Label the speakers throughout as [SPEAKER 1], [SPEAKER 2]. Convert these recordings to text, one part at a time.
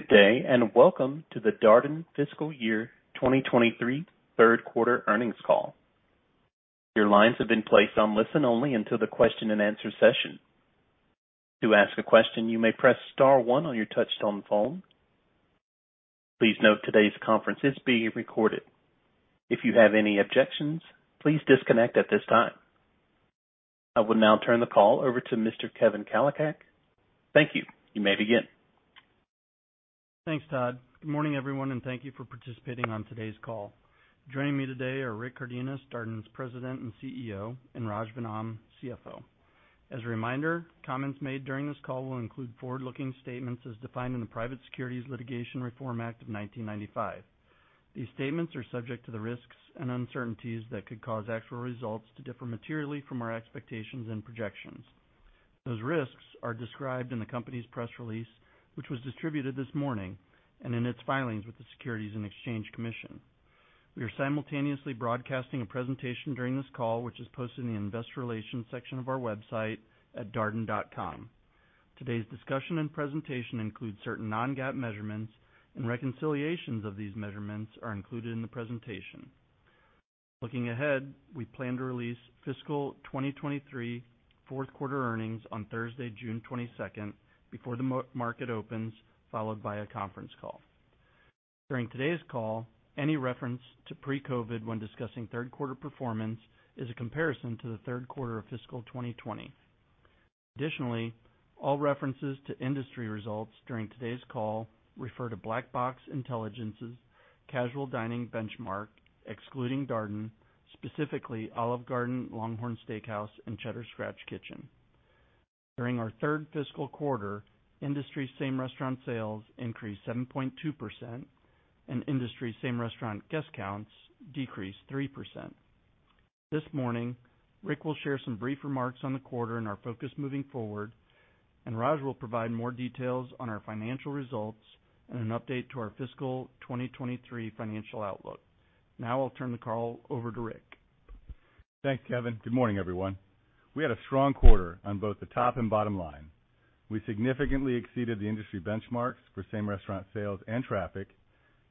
[SPEAKER 1] Good day. Welcome to the Darden Fiscal Year 2023 Q3 earnings call. Your lines have been placed on listen-only until the question and answer session. To ask a question, you may press star one on your touchtone phone. Please note today's conference is being recorded. If you have any objections, please disconnect at this time. I will now turn the call over to Mr. Kevin Kalicak. Thank you. You may begin.
[SPEAKER 2] Thanks, Todd. Good morning, everyone, and thank you for participating on today's call. Joining me today are Rick Cardenas, Darden's President and CEO, and Raj Vennam, CFO. As a reminder, comments made during this call will include forward-looking statements as defined in the Private Securities Litigation Reform Act of 1995. These statements are subject to the risks and uncertainties that could cause actual results to differ materially from our expectations and projections. Those risks are described in the company's press release, which was distributed this morning and in its filings with the Securities and Exchange Commission. We are simultaneously broadcasting a presentation during this call, which is posted in the Investor Relations section of our website at darden.com. Today's discussion and presentation includes certain non-GAAP measurements and reconciliations of these measurements are included in the presentation. Looking ahead, we plan to release fiscal 2023 Q4 earnings on Thursday, June 22nd, before the market opens, followed by a conference call. During today's call, any reference to pre-COVID when discussing Q3 performance is a comparison to the Q3 of fiscal 2020. Additionally, all references to industry results during today's call refer to Black Box Intelligence's casual dining benchmark, excluding Darden, specifically Olive Garden, LongHorn Steakhouse, and Cheddar's Scratch Kitchen. During our third fiscal quarter, industry same restaurant sales increased 7.2% and industry same restaurant guest counts decreased 3%. This morning, Rick will share some brief remarks on the quarter and our focus moving forward, and Raj will provide more details on our financial results and an update to our fiscal 2023 financial outlook. Now I'll turn the call over to Rick.
[SPEAKER 3] Thanks, Kevin. Good morning, everyone. We had a strong quarter on both the top and bottom line. We significantly exceeded the industry benchmarks for same-restaurant sales and traffic,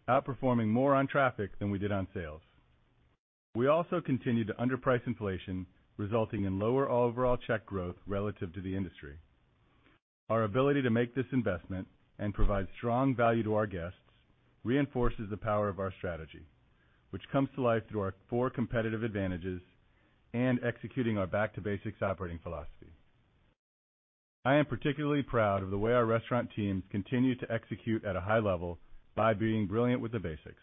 [SPEAKER 3] outperforming more on traffic than we did on sales. We also continued to underprice inflation, resulting in lower overall check growth relative to the industry. Our ability to make this investment and provide strong value to our guests reinforces the power of our strategy, which comes to life through our four competitive advantages and executing our back-to-basics operating philosophy. I am particularly proud of the way our restaurant teams continue to execute at a high level by being brilliant with the basics.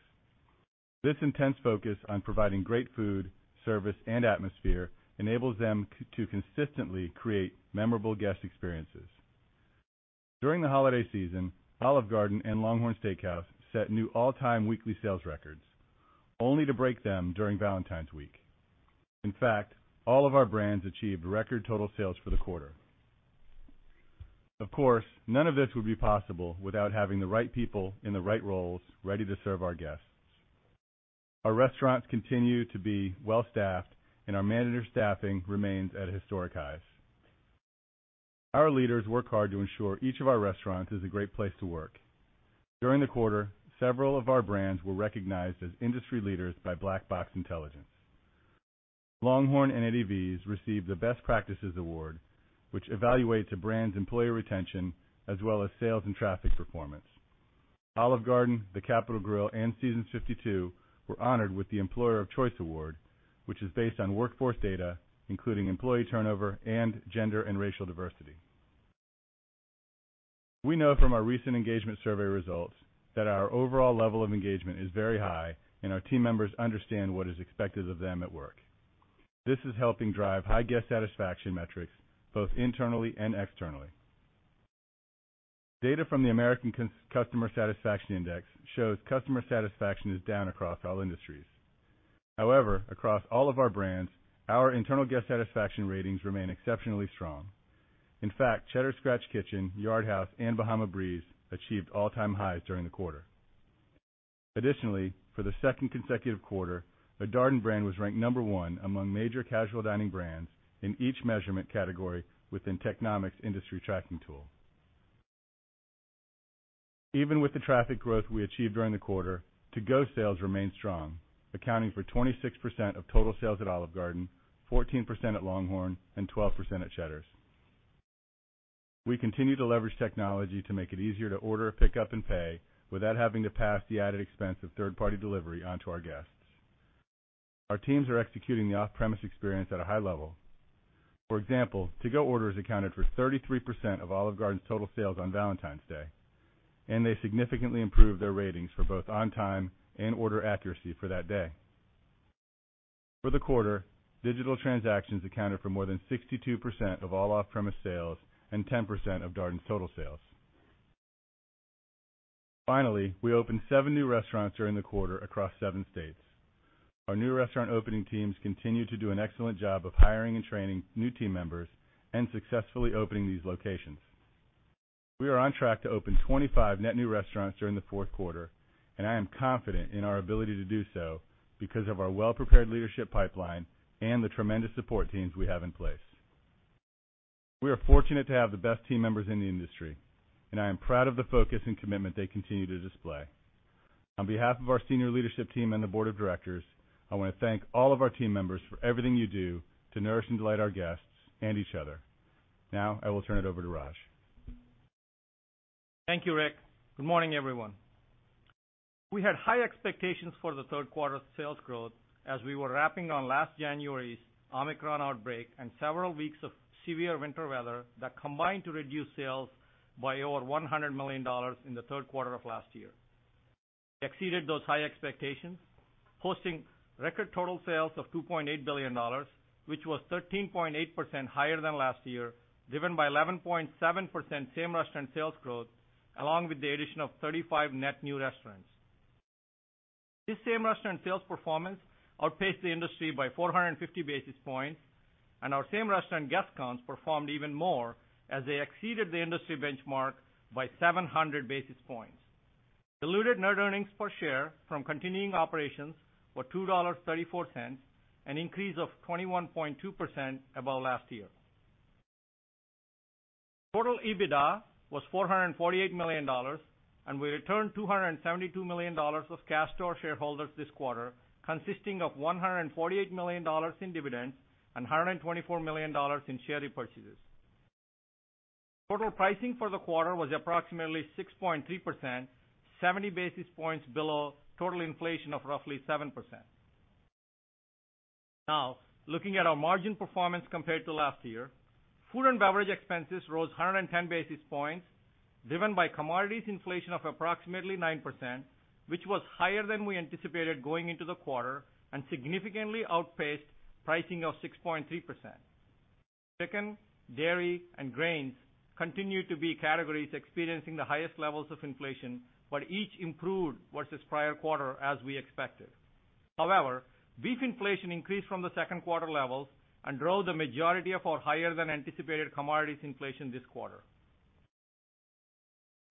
[SPEAKER 3] This intense focus on providing great food, service, and atmosphere enables to consistently create memorable guest experiences. During the holiday season, Olive Garden and LongHorn Steakhouse set new all-time weekly sales records, only to break them during Valentine's week. In fact, all of our brands achieved record total sales for the quarter. Of course, none of this would be possible without having the right people in the right roles ready to serve our guests. Our restaurants continue to be well staffed and our manager staffing remains at historic highs. Our leaders work hard to ensure each of our restaurants is a great place to work. During the quarter, several of our brands were recognized as industry leaders by Black Box Intelligence. LongHorn and Eddie V's received the Best Practices award, which evaluates a brand's employee retention as well as sales and traffic performance. Olive Garden, The Capital Grille, and Seasons 52 were honored with the Employer of Choice award, which is based on workforce data, including employee turnover and gender and racial diversity. We know from our recent engagement survey results that our overall level of engagement is very high and our team members understand what is expected of them at work. This is helping drive high guest satisfaction metrics, both internally and externally. Data from the American Customer Satisfaction Index shows customer satisfaction is down across all industries. However, across all of our brands, our internal guest satisfaction ratings remain exceptionally strong. In fact, Cheddar's Scratch Kitchen, Yard House, and Bahama Breeze achieved all-time highs during the quarter. Additionally, for the second consecutive quarter, a Darden brand was ranked number one among major casual dining brands in each measurement category within Technomic's industry tracking tool. Even with the traffic growth we achieved during the quarter, To-Go sales remained strong, accounting for 26% of total sales at Olive Garden, 14% at LongHorn, and 12% at Cheddar's. We continue to leverage technology to make it easier to order, pick up, and pay without having to pass the added expense of third-party delivery on to our guests. Our teams are executing the off-premise experience at a high level. For example, To-Go orders accounted for 33% of Olive Garden's total sales on Valentine's Day, and they significantly improved their ratings for both on time and order accuracy for that day. For the quarter, digital transactions accounted for more than 62% of all off-premise sales and 10% of Darden's total sales. Finally, we opened 7 new restaurants during the quarter across 7 states. Our new restaurant opening teams continue to do an excellent job of hiring and training new team members and successfully opening these locations. We are on track to open 25 net new restaurants during the Q4. I am confident in our ability to do so because of our well-prepared leadership pipeline and the tremendous support teams we have in place. We are fortunate to have the best team members in the industry, and I am proud of the focus and commitment they continue to display. On behalf of our senior leadership team and the board of directors, I want to thank all of our team members for everything you do to nourish and delight our guests and each other. Now I will turn it over to Raj.
[SPEAKER 4] Thank you, Rick. Good morning, everyone. We had high expectations for the Q3 sales growth as we were wrapping on last January's Omicron outbreak and several weeks of severe winter weather that combined to reduce sales by over $100 million in the Q3 of last year. We exceeded those high expectations, hosting record total sales of $2.8 billion, which was 13.8% higher than last year, driven by 11.7% same-restaurant sales growth, along with the addition of 35 net new restaurants. This same-restaurant sales performance outpaced the industry by 450 basis points, and our same-restaurant guest counts performed even more as they exceeded the industry benchmark by 700 basis points. Diluted net earnings per share from continuing operations were $2.34, an increase of 21.2% above last year. Total EBITDA was $448 million. We returned $272 million of cash to our shareholders this quarter, consisting of $148 million in dividends and $124 million in share repurchases. Total pricing for the quarter was approximately 6.3%, 70 basis points below total inflation of roughly 7%. Looking at our margin performance compared to last year, food and beverage expenses rose 110 basis points, driven by commodities inflation of approximately 9%, which was higher than we anticipated going into the quarter and significantly outpaced pricing of 6.3%. Chicken, dairy, and grains continued to be categories experiencing the highest levels of inflation, each improved versus prior quarter, as we expected. Beef inflation increased from the Q2 levels and drove the majority of our higher than anticipated commodities inflation this quarter.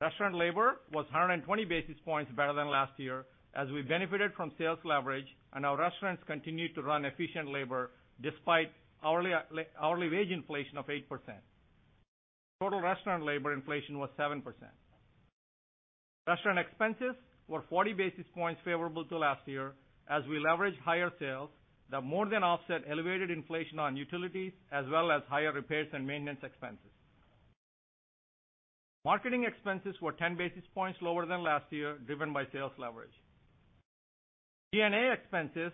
[SPEAKER 4] Restaurant labor was 120 basis points better than last year as we benefited from sales leverage and our restaurants continued to run efficient labor despite hourly wage inflation of 8%. Total restaurant labor inflation was 7%. Restaurant expenses were 40 basis points favorable to last year as we leveraged higher sales that more than offset elevated inflation on utilities as well as higher repairs and maintenance expenses. Marketing expenses were 10 basis points lower than last year, driven by sales leverage. G&A expenses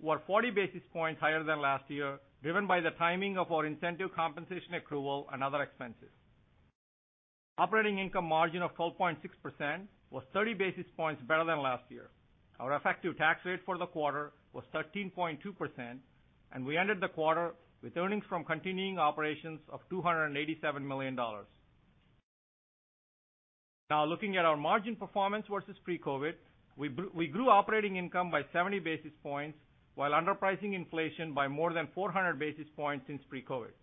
[SPEAKER 4] were 40 basis points higher than last year, driven by the timing of our incentive compensation accrual and other expenses. Operating income margin of 12.6% was 30 basis points better than last year. Our effective tax rate for the quarter was 13.2%, and we ended the quarter with earnings from continuing operations of $287 million. Now, looking at our margin performance versus pre-COVID, we grew operating income by 70 basis points while underpricing inflation by more than 400 basis points since pre-COVID.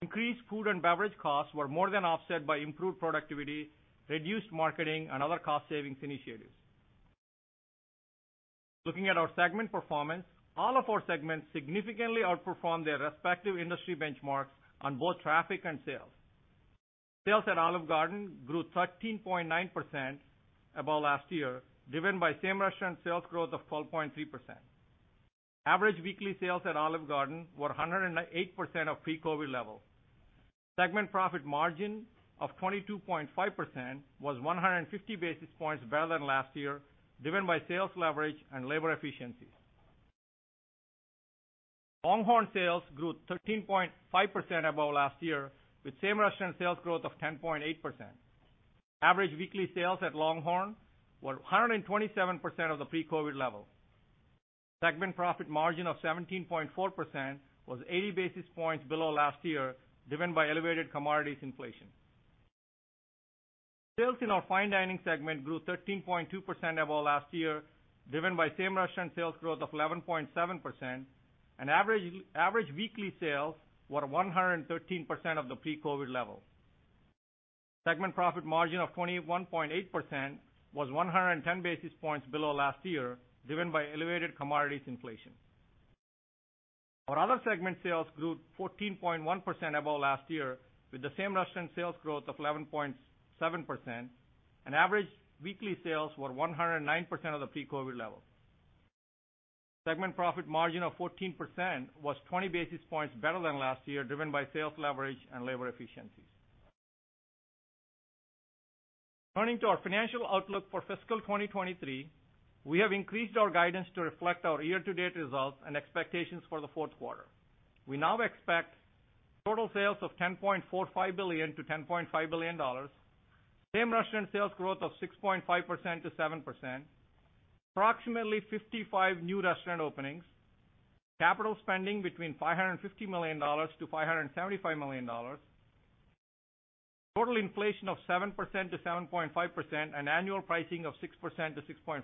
[SPEAKER 4] Increased food and beverage costs were more than offset by improved productivity, reduced marketing, and other cost-saving initiatives. Looking at our segment performance, all of our segments significantly outperformed their respective industry benchmarks on both traffic and sales. Sales at Olive Garden grew 13.9% above last year, driven by same restaurant sales growth of 12.3%. Average weekly sales at Olive Garden were 108% of pre-COVID levels. Segment profit margin of 22.5% was 150 basis points better than last year, driven by sales leverage and labor efficiencies. LongHorn sales grew 13.5% above last year, with same restaurant sales growth of 10.8%. Average weekly sales at LongHorn were 127% of the pre-COVID level. Segment profit margin of 17.4% was 80 basis points below last year, driven by elevated commodities inflation. Sales in our fine dining segment grew 13.2% above last year, driven by same restaurant sales growth of 11.7%, and average weekly sales were 113% of the pre-COVID level. Segment profit margin of 21.8% was 110 basis points below last year, driven by elevated commodities inflation. Our other segment sales grew 14.1% above last year, with the same restaurant sales growth of 11.7% and average weekly sales were 109% of the pre-COVID level. Segment profit margin of 14% was 20 basis points better than last year, driven by sales leverage and labor efficiencies. Turning to our financial outlook for fiscal 2023, we have increased our guidance to reflect our year-to-date results and expectations for the Q4. We now expect total sales of $10.45 billion-$10.5 billion, same restaurant sales growth of 6.5%-7%, approximately 55 new restaurant openings, capital spending between $550 million-$575 million, total inflation of 7%-7.5%, and annual pricing of 6%-6.5%.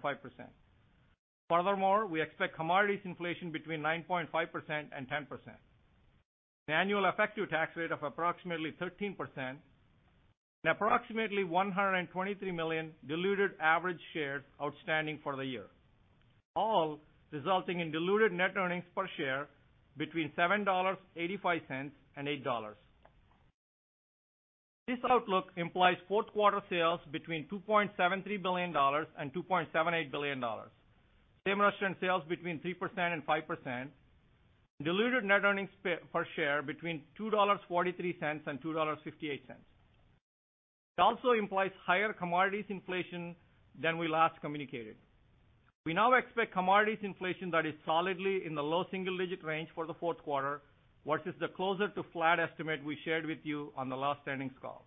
[SPEAKER 4] Furthermore, we expect commodities inflation between 9.5% and 10%. An annual effective tax rate of approximately 13%. An approximately 123 million diluted average shares outstanding for the year. All resulting in diluted net earnings per share between $7.85 and $8.00. This outlook implies Q4 sales between $2.73 billion and $2.78 billion. Same-restaurant sales between 3% and 5%. Diluted net earnings per share between $2.43 and $2.58. It also implies higher commodities inflation than we last communicated. We now expect commodities inflation that is solidly in the low single-digit range for the Q4 versus the closer to flat estimate we shared with you on the last earnings call.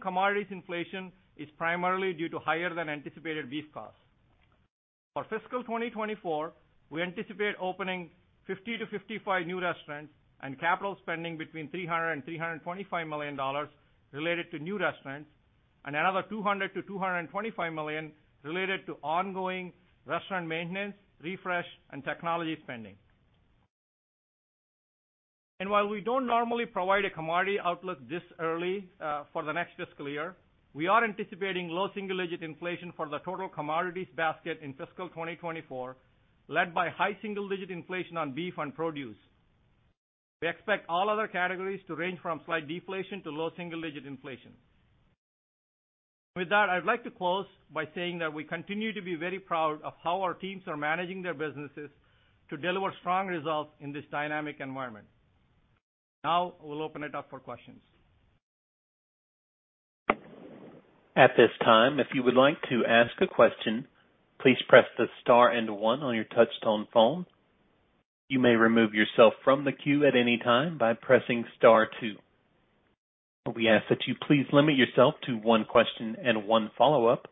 [SPEAKER 4] Commodities inflation is primarily due to higher than anticipated beef costs. For fiscal 2024, we anticipate opening 50 to 55 new restaurants and capital spending between $300 million and $325 million related to new restaurants and another $200 million to $225 million related to ongoing restaurant maintenance, refresh, and technology spending. While we don't normally provide a commodity outlook this early, for the next fiscal year, we are anticipating low single-digit inflation for the total commodities basket in fiscal 2024, led by high single-digit inflation on beef and produce. We expect all other categories to range from slight deflation to low single-digit inflation. With that, I'd like to close by saying that we continue to be very proud of how our teams are managing their businesses to deliver strong results in this dynamic environment. We'll open it up for questions.
[SPEAKER 1] At this time, if you would like to ask a question, please press the star and one on your touchtone phone. You may remove yourself from the queue at any time by pressing star two. We ask that you please limit yourself to one question and one follow-up.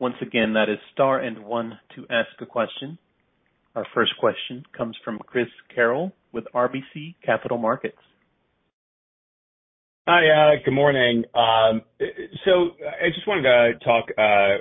[SPEAKER 1] Once again, that is star and one to ask a question. Our first question comes from Chris Carril with RBC Capital Markets.
[SPEAKER 5] Hi, good morning. I just wanted to talk,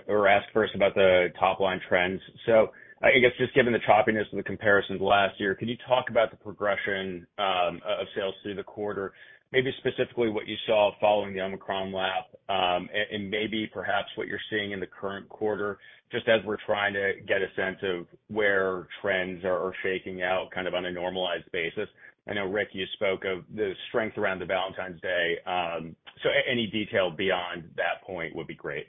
[SPEAKER 5] or ask first about the top line trends. I guess just given the choppiness of the comparisons last year, can you talk about the progression of sales through the quarter? Maybe specifically what you saw following the Omicron lap, and maybe perhaps what you're seeing in the current quarter, just as we're trying to get a sense of where trends are shaking out kind of on a normalized basis. I know, Rick, you spoke of the strength around the Valentine's Day. Any detail beyond that point would be great.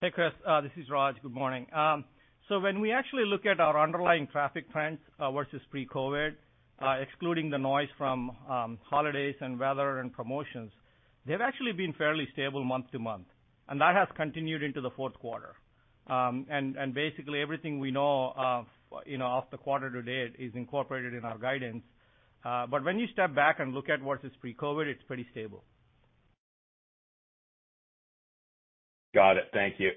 [SPEAKER 4] Hey, Chris, this is Raj. Good morning. When we actually look at our underlying traffic trends versus pre-COVID, excluding the noise from holidays and weather and promotions, they've actually been fairly stable month to month, and that has continued into the Q4. Basically, everything we know of, you know, off the quarter to date is incorporated in our guidance. When you step back and look at versus pre-COVID, it's pretty stable.
[SPEAKER 5] Got it. Thank you.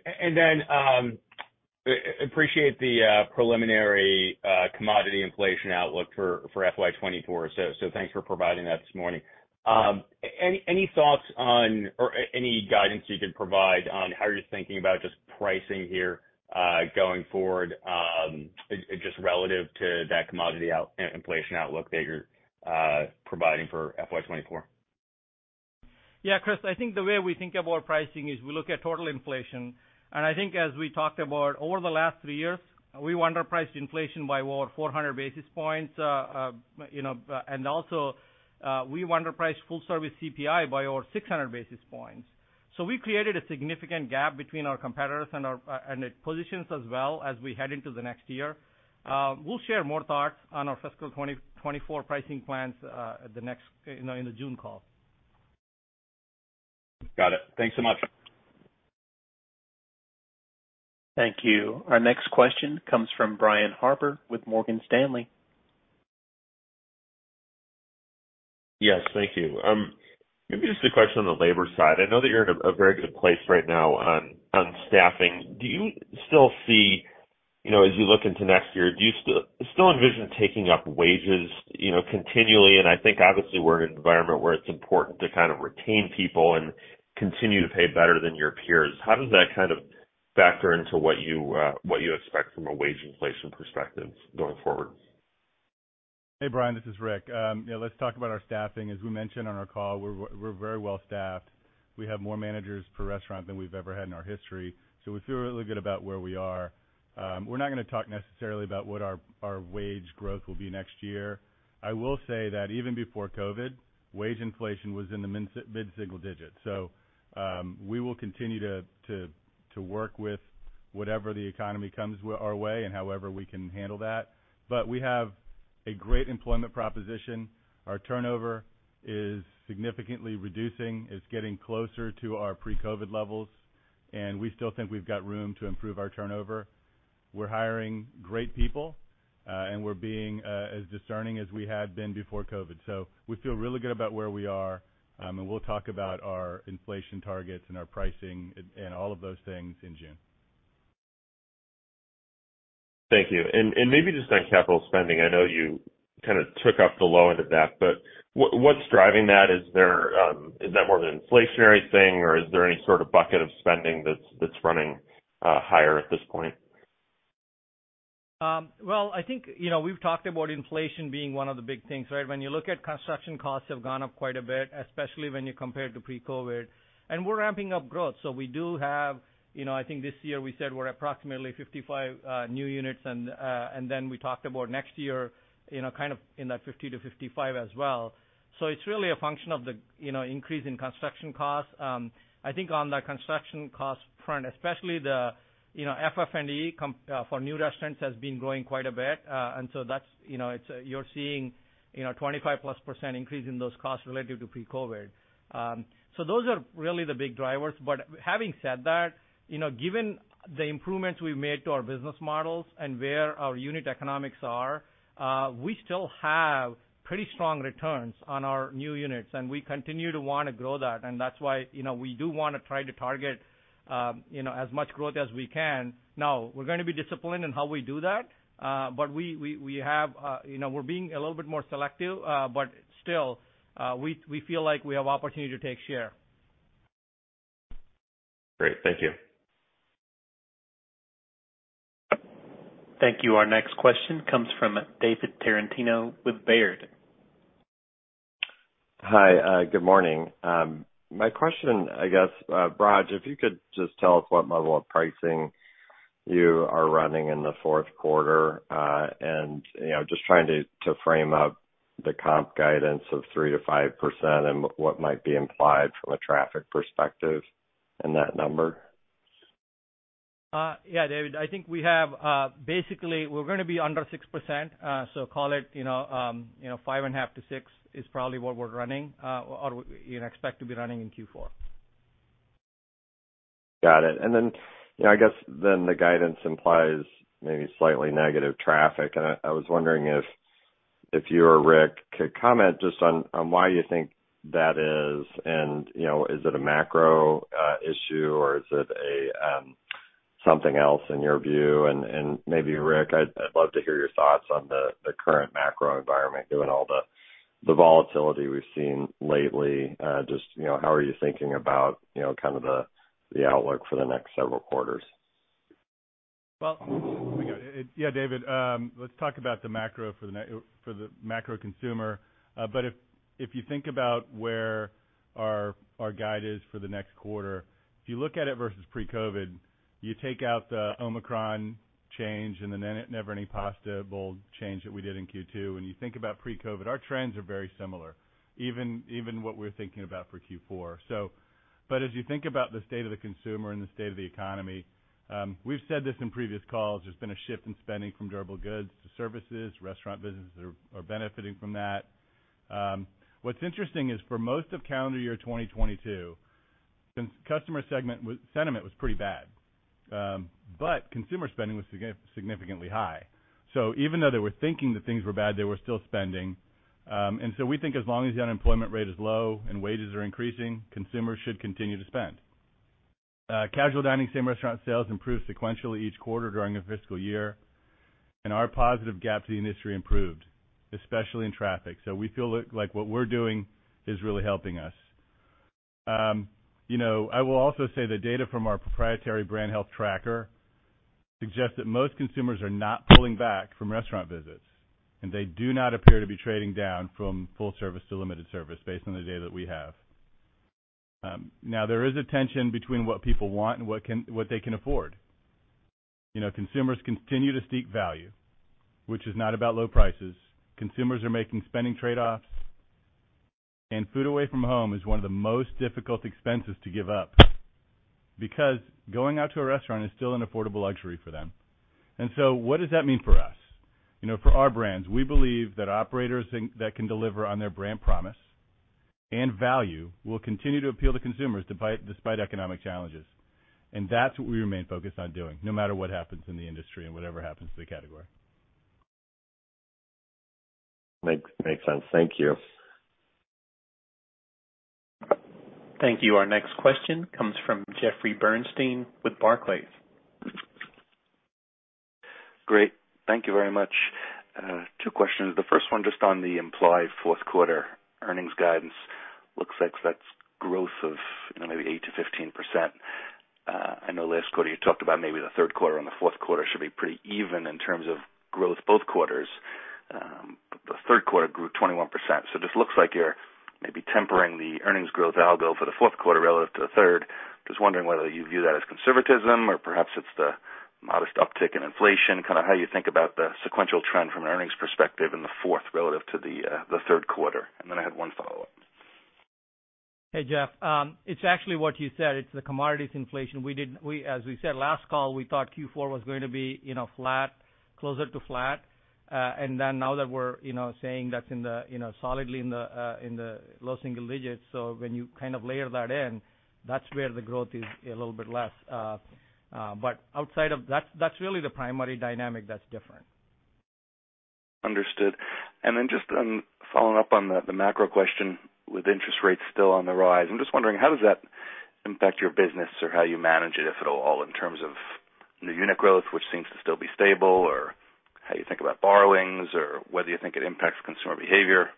[SPEAKER 5] Appreciate the preliminary commodity inflation outlook for FY 2024. Thanks for providing that this morning. Any thoughts on or any guidance you could provide on how you're thinking about just pricing here, going forward, just relative to that commodity inflation outlook that you're providing for FY 2024?
[SPEAKER 4] Yeah, Chris, I think the way we think about pricing is we look at total inflation. And I think as we talked about over the last 3 years, we underpriced inflation by over 400 basis points, you know, and also, we underpriced full-service CPI by over 600 basis points. So we created a significant gap between our competitors and our, and it positions us well as we head into the next year. We'll share more thoughts on our fiscal 2024 pricing plans, at the next, you know, in the June call.
[SPEAKER 5] Got it. Thanks so much.
[SPEAKER 1] Thank you. Our next question comes from Brian Harbour with Morgan Stanley.
[SPEAKER 6] Yes. Thank you. Maybe just a question on the labor side. I know that you're in a very good place right now on staffing. Do you still see, you know, as you look into next year, do you still envision taking up wages, you know, continually? I think obviously we're in an environment where it's important to kind of retain people and continue to pay better than your peers. How does that kind of factor into what you expect from a wage inflation perspective going forward?
[SPEAKER 3] Hey, Brian, this is Rick. Yeah, let's talk about our staffing. As we mentioned on our call, we're very well staffed. We have more managers per restaurant than we've ever had in our history. We feel really good about where we are. We're not gonna talk necessarily about what our wage growth will be next year. I will say that even before COVID, wage inflation was in the mid-single digits. We will continue to work with whatever the economy comes our way and however we can handle that. We have a great employment proposition. Our turnover is significantly reducing. It's getting closer to our pre-COVID levels, and we still think we've got room to improve our turnover. We're hiring great people, and we're being as discerning as we had been before COVID. We feel really good about where we are. We'll talk about our inflation targets and our pricing and all of those things in June.
[SPEAKER 6] Thank you. Maybe just on capital spending. I know you kinda took up the low end of that, but what's driving that? Is there, is that more of an inflationary thing, or is there any sort of bucket of spending that's running? Higher at this point.
[SPEAKER 4] Well, I think, you know, we've talked about inflation being one of the big things, right? When you look at construction costs have gone up quite a bit, especially when you compare to pre-COVID. We're ramping up growth. We do have, you know, I think this year we said we're approximately 55 new units. Then we talked about next year, you know, kind of in that 50 to 55 as well. It's really a function of the, you know, increase in construction costs. I think on the construction cost front, especially the, you know, FF&E for new restaurants has been growing quite a bit. That's, you know, it's, you're seeing, you know, 25%+ increase in those costs related to pre-COVID. Those are really the big drivers. Having said that, you know, given the improvements we've made to our business models and where our unit economics are, we still have pretty strong returns on our new units, and we continue to wanna grow that. That's why, you know, we do wanna try to target, you know, as much growth as we can. We're gonna be disciplined in how we do that, but we have, you know, we're being a little bit more selective, but still, we feel like we have opportunity to take share.
[SPEAKER 7] Great. Thank you.
[SPEAKER 1] Thank you. Our next question comes from David Tarantino with Baird.
[SPEAKER 8] Hi. Good morning. My question, I guess, Raj, if you could just tell us what level of pricing you are running in the Q4, you know, just trying to frame up the comp guidance of 3%-5% and what might be implied from a traffic perspective in that number.
[SPEAKER 4] Yeah, David, I think we have, basically we're gonna be under 6%. Call it, you know, you know, 5.5%-6% is probably what we're running, or we, you know, expect to be running in Q4.
[SPEAKER 8] Got it. You know, I guess then the guidance implies maybe slightly negative traffic. I was wondering if you or Rick could comment just on why you think that is. You know, is it a macro issue or is it a something else in your view? Maybe Rick, I'd love to hear your thoughts on the current macro environment, given all the volatility we've seen lately. Just, you know, how are you thinking about, you know, kind of the outlook for the next several quarters?
[SPEAKER 3] Well, yeah, David, let's talk about the macro for the macro consumer. If you think about where our guide is for the next quarter, if you look at it versus pre-COVID, you take out the Omicron change and the Never Ending Pasta Bowl change that we did in Q2, when you think about pre-COVID, our trends are very similar, even what we're thinking about for Q4. As you think about the state of the consumer and the state of the economy, we've said this in previous calls, there's been a shift in spending from durable goods to services. Restaurant businesses are benefiting from that. What's interesting is for most of calendar year 2022, since customer sentiment was pretty bad, consumer spending was significantly high. Even though they were thinking that things were bad, they were still spending. We think as long as the unemployment rate is low and wages are increasing; consumers should continue to spend. Casual dining, same restaurant sales improved sequentially each quarter during the fiscal year, and our positive gap to the industry improved, especially in traffic. We feel like what we're doing is really helping us. You know, I will also say the data from our proprietary brand health tracker suggests that most consumers are not pulling back from restaurant visits, and they do not appear to be trading down from full service to limited service based on the data that we have. Now there is a tension between what people want and what they can afford. You know, consumers continue to seek value, which is not about low prices. Consumers are making spending trade-offs. Food away from home is one of the most difficult expenses to give up because going out to a restaurant is still an affordable luxury for them. What does that mean for us? You know, for our brands, we believe that operators that can deliver on their brand promise and value will continue to appeal to consumers despite economic challenges. That's what we remain focused on doing, no matter what happens in the industry and whatever happens to the category.
[SPEAKER 8] Makes sense. Thank you.
[SPEAKER 1] Thank you. Our next question comes from Jeffrey Bernstein with Barclays.
[SPEAKER 7] Great. Thank you very much. two questions. The first one just on the implied Q4 earnings guidance. Looks like that's growth of, you know, maybe 8%-15%. I know last quarter you talked about maybe the Q3 and the Q4 should be pretty even in terms of growth both quarters. but the Q3 grew 21%. just looks like you're maybe tempering the earnings growth algo for the Q4 relative to the third. Just wondering whether you view that as conservatism or perhaps it's the modest uptick in inflation, kind of how you think about the sequential trend from an earnings perspective in the fourth relative to the Q3. I have one follow-up.
[SPEAKER 4] Hey, Jeff. It's actually what you said. It's the commodities inflation. We, as we said last call, we thought Q4 was going to be, you know, flat, closer to flat. Now that we're, you know, saying that's in the, you know, solidly in the low single digits. When you kind of layer that in, that's where the growth is a little bit less. That's really the primary dynamic that's different.
[SPEAKER 7] Understood. Just following up on the macro question with interest rates still on the rise. I'm just wondering how does that impact your business or how you manage it, if at all, in terms of new unit growth, which seems to still be stable, or how you think about borrowings or whether you think it impacts consumer behavior,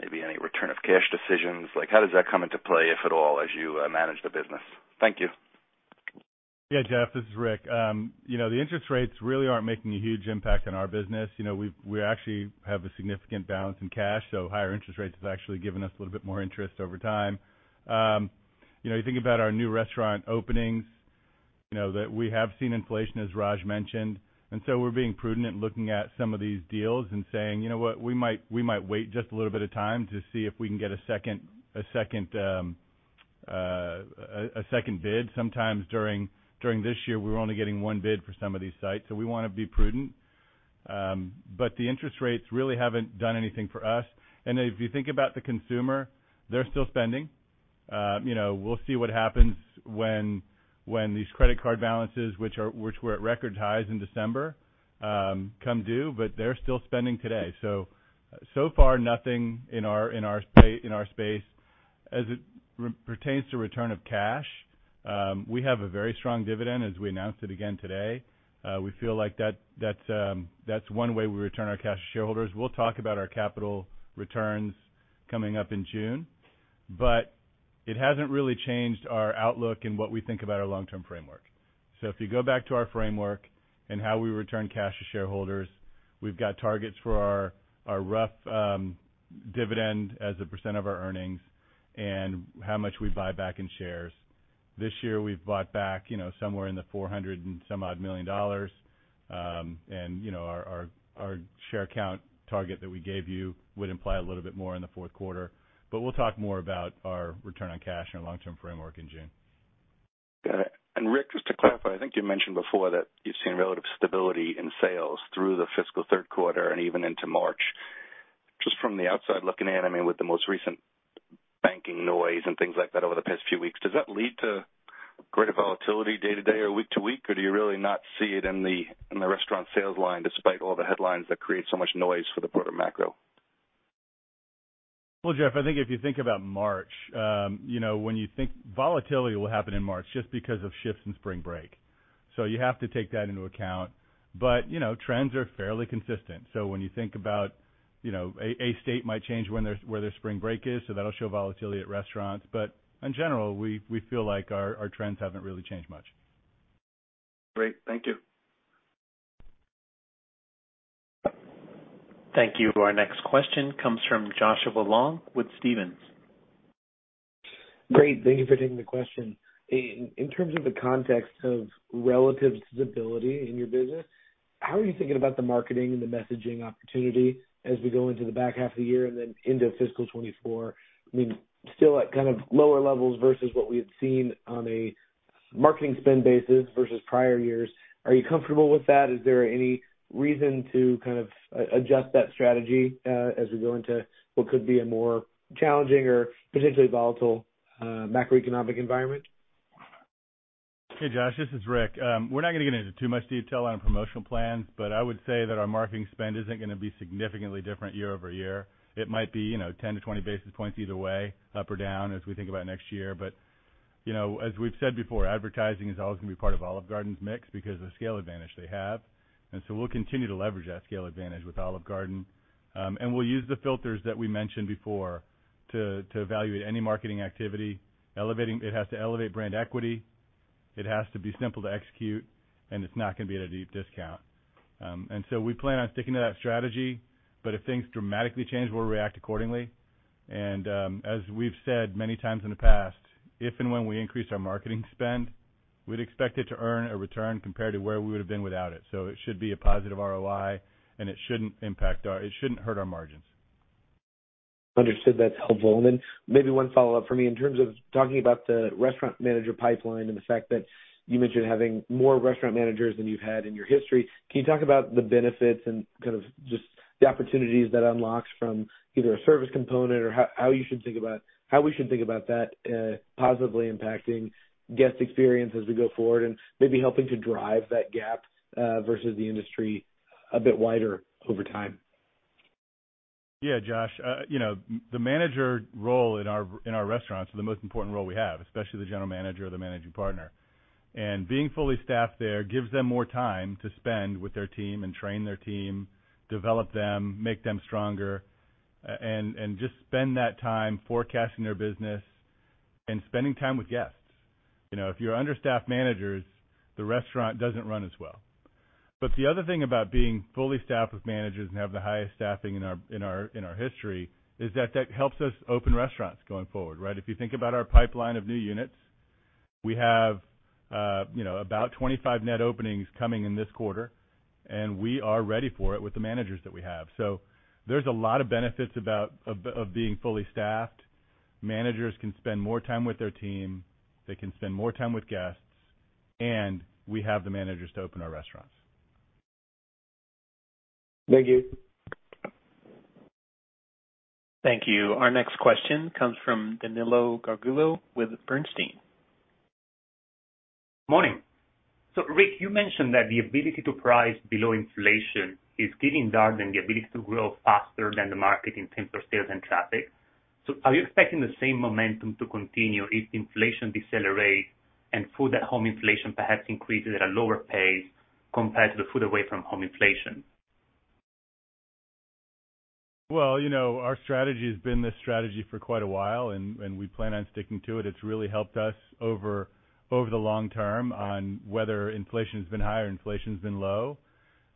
[SPEAKER 7] maybe any return of cash decisions. Like, how does that come into play, if at all, as you manage the business? Thank you.
[SPEAKER 3] Yeah, Jeff Farmer, this is Rick Cardenas. You know, the interest rates really aren't making a huge impact on our business. You know, we actually have a significant balance in cash, higher interest rates has actually given us a little bit more interest over time. You know, you think about our new restaurant openings, you know, that we have seen inflation, as Raj Vennam mentioned, we're being prudent looking at some of these deals and saying, "You know what? We might wait just a little bit of time to see if we can get a second bid." Sometimes during this year, we're only getting one bid for some of these sites, we wanna be prudent. The interest rates really haven't done anything for us. If you think about the consumer, they're still spending. you know, we'll see what happens when these credit card balances, which were at record highs in December, come due, but they're still spending today. So far, nothing in our space. As it re-pertains to return of cash, we have a very strong dividend, as we announced it again today. We feel like that's one way we return our cash to shareholders. We'll talk about our capital returns coming up in June. It hasn't really changed our outlook in what we think about our long-term framework. If you go back to our framework and how we return cash to shareholders, we've got targets for our rough dividend as a % of our earnings and how much we buy back in shares. This year, we've bought back, you know, somewhere in the $400 and some odd million. You know, our, our share count target that we gave you would imply a little bit more in the Q4. We'll talk more about our return on cash and our long-term framework in June.
[SPEAKER 7] Got it. Rick, just to clarify, I think you mentioned before that you've seen relative stability in sales through the fiscal Q3 and even into March. Just from the outside looking in, I mean, with the most recent banking noise and things like that over the past few weeks, does that lead to greater volatility day to day or week to week or do you really not see it in the, in the restaurant sales line despite all the headlines that create so much noise for the broader macro?
[SPEAKER 3] Well, Jeff, I think if you think about March, you know, Volatility will happen in March just because of shifts in spring break, so you have to take that into account. You know, trends are fairly consistent. When you think about, you know, a state might change where their spring break is, so that'll show volatility at restaurants. In general, we feel like our trends haven't really changed much.
[SPEAKER 7] Great. Thank you.
[SPEAKER 1] Thank you. Our next question comes from Joshua Long with Stephens.
[SPEAKER 9] Great. Thank you for taking the question. In terms of the context of relative stability in your business, how are you thinking about the marketing and the messaging opportunity as we go into the back half of the year and then into fiscal 2024? I mean, still at kind of lower levels versus what we had seen on a marketing spend basis versus prior years. Are you comfortable with that? Is there any reason to kind of adjust that strategy, as we go into what could be a more challenging or potentially volatile, macroeconomic environment?
[SPEAKER 3] Hey, Josh, this is Rick. We're not gonna get into too much detail on promotional plans, but I would say that our marketing spend isn't gonna be significantly different year-over-year. It might be, you know, 10-20 basis points either way, up or down, as we think about next year. You know, as we've said before, advertising is always gonna be part of Olive Garden's mix because of the scale advantage they have. We'll continue to leverage that scale advantage with Olive Garden. We'll use the filters that we mentioned before to evaluate any marketing activity. It has to elevate brand equity, it has to be simple to execute, and it's not gonna be at a deep discount. We plan on sticking to that strategy, but if things dramatically change, we'll react accordingly. As we've said many times in the past, if and when we increase our marketing spend, we'd expect it to earn a return compared to where we would've been without it. It should be a positive ROI, and it shouldn't hurt our margins.
[SPEAKER 9] Understood. That's helpful. Maybe one follow-up for me. In terms of talking about the restaurant manager pipeline and the fact that you mentioned having more restaurant managers than you've had in your history, can you talk about the benefits and kind of just the opportunities that unlocks from either a service component or how we should think about that positively impacting guest experience as we go forward and maybe helping to drive that gap versus the industry a bit wider over time?
[SPEAKER 3] Yeah, Josh. You know, the manager role in our restaurants are the most important role we have, especially the general manager or the managing partner. Being fully staffed there gives them more time to spend with their team and train their team, develop them, make them stronger, and just spend that time forecasting their business and spending time with guests. You know, if you're under staffed managers, the restaurant doesn't run as well. The other thing about being fully staffed with managers and have the highest staffing in our history, is that that helps us open restaurants going forward, right? If you think about our pipeline of new units, we have, you know, about 25 net openings coming in this quarter, and we are ready for it with the managers that we have. There's a lot of benefits of being fully staffed. Managers can spend more time with their team, they can spend more time with guests, and we have the managers to open our restaurants.
[SPEAKER 9] Thank you.
[SPEAKER 1] Thank you. Our next question comes from Danilo Gargiulo with Bernstein.
[SPEAKER 10] Morning. Rick, you mentioned that the ability to price below inflation is getting harder than the ability to grow faster than the market in terms of sales and traffic. Are you expecting the same momentum to continue if inflation decelerates and food at home inflation perhaps increases at a lower pace compared to the food away from home inflation?
[SPEAKER 3] Well, you know, our strategy has been this strategy for quite a while, and we plan on sticking to it. It's really helped us over the long term on whether inflation has been high or inflation's been low.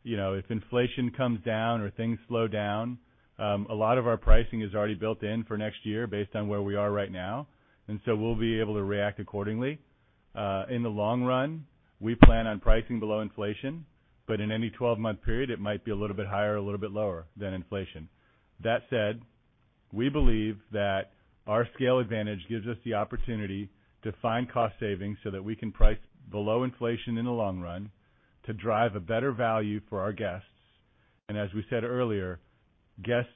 [SPEAKER 3] You know, if inflation comes down or things slow down, a lot of our pricing is already built in for next year based on where we are right now, and so we'll be able to react accordingly. In the long run, we plan on pricing below inflation, but in any 12-month period, it might be a little bit higher or a little bit lower than inflation. That said, we believe that our scale advantage gives us the opportunity to find cost savings so that we can price below inflation in the long run to drive a better value for our guests. As we said earlier, guests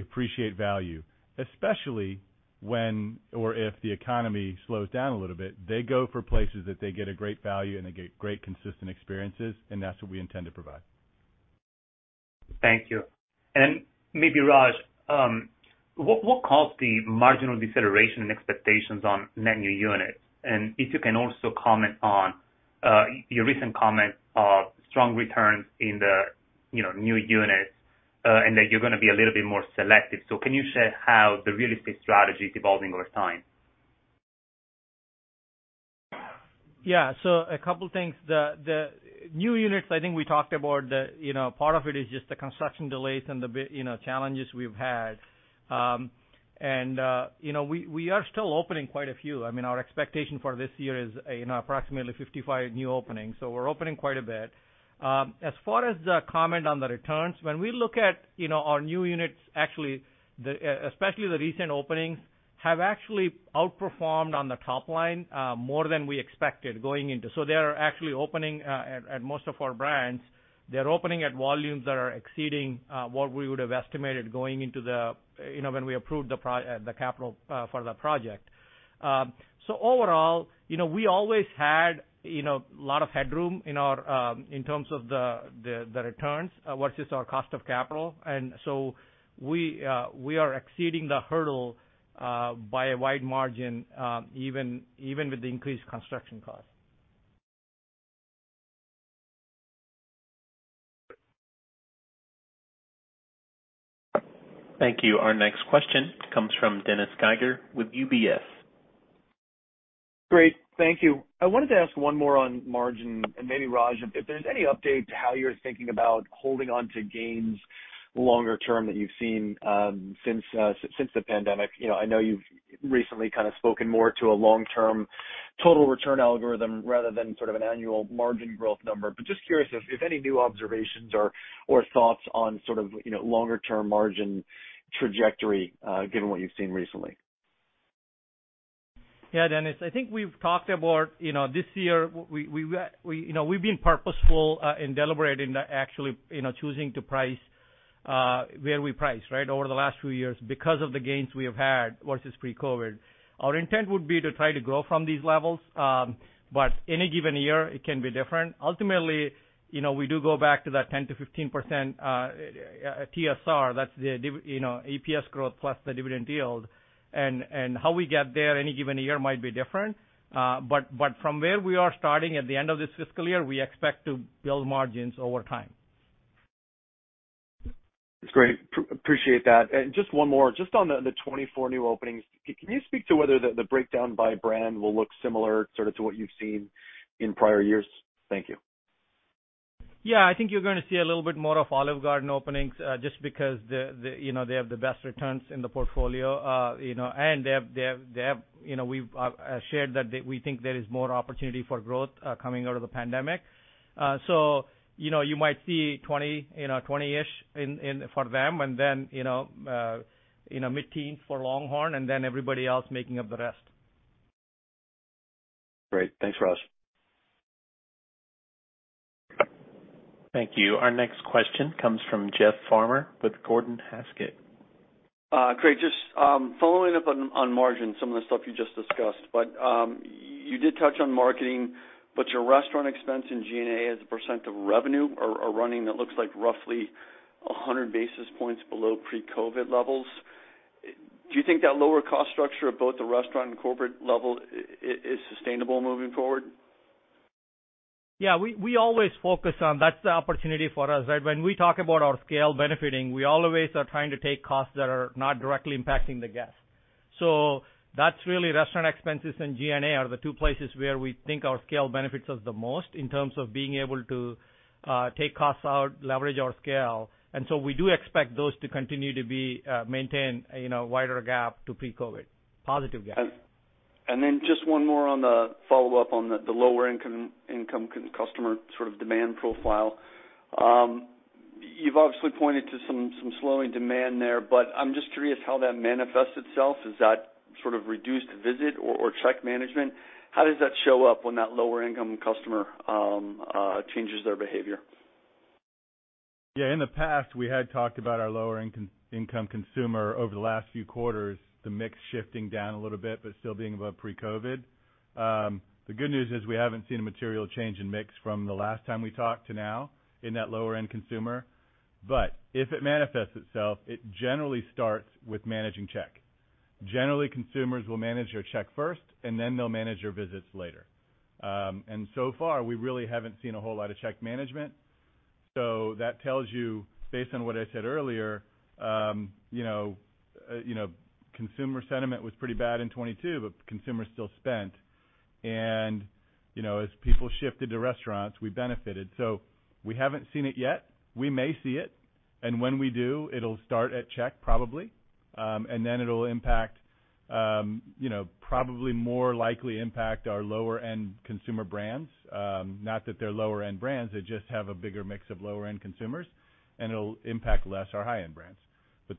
[SPEAKER 3] appreciate value, especially when or if the economy slows down a little bit. They go for places that they get a great value and they get great consistent experiences, and that's what we intend to provide.
[SPEAKER 11] Thank you. Maybe, Raj, what caused the marginal deceleration in expectations on net new units? If you can also comment on your recent comment of strong returns in the, you know, new units, and that you're gonna be a little bit more selective. Can you share how the real estate strategy is evolving over time?
[SPEAKER 4] A couple things. The new units, I think we talked about the, you know, part of it is just the construction delays and the bit, you know, challenges we've had. You know, we are still opening quite a few. I mean our expectation for this year is, you know, approximately 55 new openings, so we're opening quite a bit. As far as the comment on the returns, when we look at, you know, our new units, actually especially the recent openings, have actually outperformed on the top line, more than we expected going into. They are actually opening at most of our brands. They're opening at volumes that are exceeding what we would have estimated going into the, you know, when we approved the capital for the project. Overall, you know, we always had, you know, a lot of headroom in our, in terms of the returns versus our cost of capital. We are exceeding the hurdle, by a wide margin, even with the increased construction costs.
[SPEAKER 1] Thank you. Our next question comes from Dennis Geiger with UBS.
[SPEAKER 12] Great. Thank you. I wanted to ask 1 more on margin and maybe Raj, if there's any update to how you're thinking about holding on to gains longer term that you've seen since the pandemic. You know, I know you've recently kind of spoken more to a long-term total return algorithm rather than sort of an annual margin growth number, but just curious if any new observations or thoughts on sort of, you know, longer term margin trajectory given what you've seen recently.
[SPEAKER 4] Yeah, Dennis, I think we've talked about, you know, this year, we, you know, we've been purposeful in deliberating, actually, you know, choosing to price where we price, right? Over the last few years because of the gains we have had versus pre-COVID. Our intent would be to try to grow from these levels, but any given year, it can be different. Ultimately, you know, we do go back to that 10%-15% TSR, that's the you know, EPS growth plus the dividend yield. How we get there any given year might be different. From where we are starting at the end of this fiscal year, we expect to build margins over time.
[SPEAKER 12] That's great. Appreciate that. Just one more, just on the 24 new openings. Can you speak to whether the breakdown by brand will look similar sort of to what you've seen in prior years? Thank you.
[SPEAKER 4] Yeah. I think you're gonna see a little bit more of Olive Garden openings, just because the, you know, they have the best returns in the portfolio, you know, and they have, you know, we've, shared that we think there is more opportunity for growth, coming out of the pandemic. You know, you might see 20, you know, 20-ish in for them, and then, you know, mid-teen for LongHorn and then everybody else making up the rest.
[SPEAKER 12] Great. Thanks, Raj.
[SPEAKER 1] Thank you. Our next question comes from Jeff Farmer with Gordon Haskett.
[SPEAKER 11] Great. Just, following up on margin, some of the stuff you just discussed. You did touch on marketing, but your restaurant expense in G&A as a percent of revenue are running that looks like roughly 100 basis points below pre-COVID levels. Do you think that lower cost structure of both the restaurant and corporate level is sustainable moving forward?
[SPEAKER 4] Yeah. We always focus on that's the opportunity for us, right? When we talk about our scale benefiting, we always are trying to take costs that are not directly impacting the guest. That's really restaurant expenses and G&A are the two places where we think our scale benefits us the most in terms of being able to take costs out, leverage our scale. We do expect those to continue to be, maintain, you know, a wider gap to pre-COVID, positive gap.
[SPEAKER 11] Then just one more on the follow-up on the lower income customer sort of demand profile. You've obviously pointed to some slowing demand there, but I'm just curious how that manifests itself. Is that sort of reduced visit or check management? How does that show up when that lower income customer changes their behavior?
[SPEAKER 3] Yeah. In the past, we had talked about our lower income consumer over the last few quarters, the mix shifting down a little bit, but still being above pre-COVID. The good news is we haven't seen a material change in mix from the last time we talked to now in that lower end consumer. If it manifests itself, it generally starts with managing check. Generally, consumers will manage their check first and then they'll manage their visits later. So far, we really haven't seen a whole lot of check management. That tells you, based on what I said earlier, you know, consumer sentiment was pretty bad in 22, but consumers still spent. You know, as people shifted to restaurants, we benefited. We haven't seen it yet. We may see it, and when we do, it'll start at check, probably. It'll impact, you know, probably more likely impact our lower end consumer brands. Not that they're lower end brands, they just have a bigger mix of lower end consumers, and it'll impact less our high-end brands.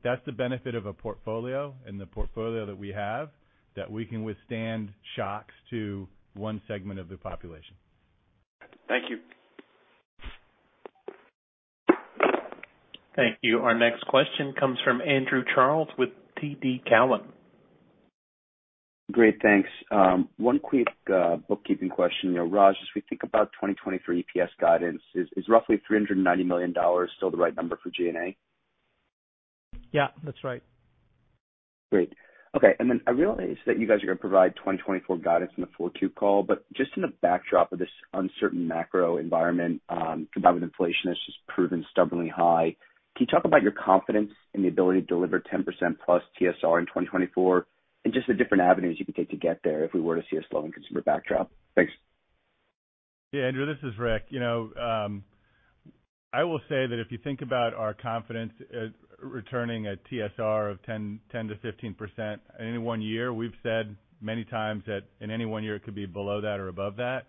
[SPEAKER 3] That's the benefit of a portfolio and the portfolio that we have, that we can withstand shocks to one segment of the population.
[SPEAKER 11] Thank you.
[SPEAKER 1] Thank you. Our next question comes from Andrew Charles with TD Cowen.
[SPEAKER 13] Great, thanks. One quick bookkeeping question. You know, Raj, as we think about 2023 EPS guidance, is roughly $390 million still the right number for G&A?
[SPEAKER 4] Yeah, that's right.
[SPEAKER 13] Great. Okay, I realize that you guys are gonna provide 2024 guidance in the four two call, just in the backdrop of this uncertain macro environment, combined with inflation that's just proven stubbornly high, can you talk about your confidence in the ability to deliver 10% plus TSR in 2024 and just the different avenues you could take to get there if we were to see a slowing consumer backdrop? Thanks.
[SPEAKER 3] Yeah, Andrew, this is Rick. You know, I will say that if you think about our confidence, returning a TSR of 10-15% in any one year, we've said many times that in any one year, it could be below that or above that.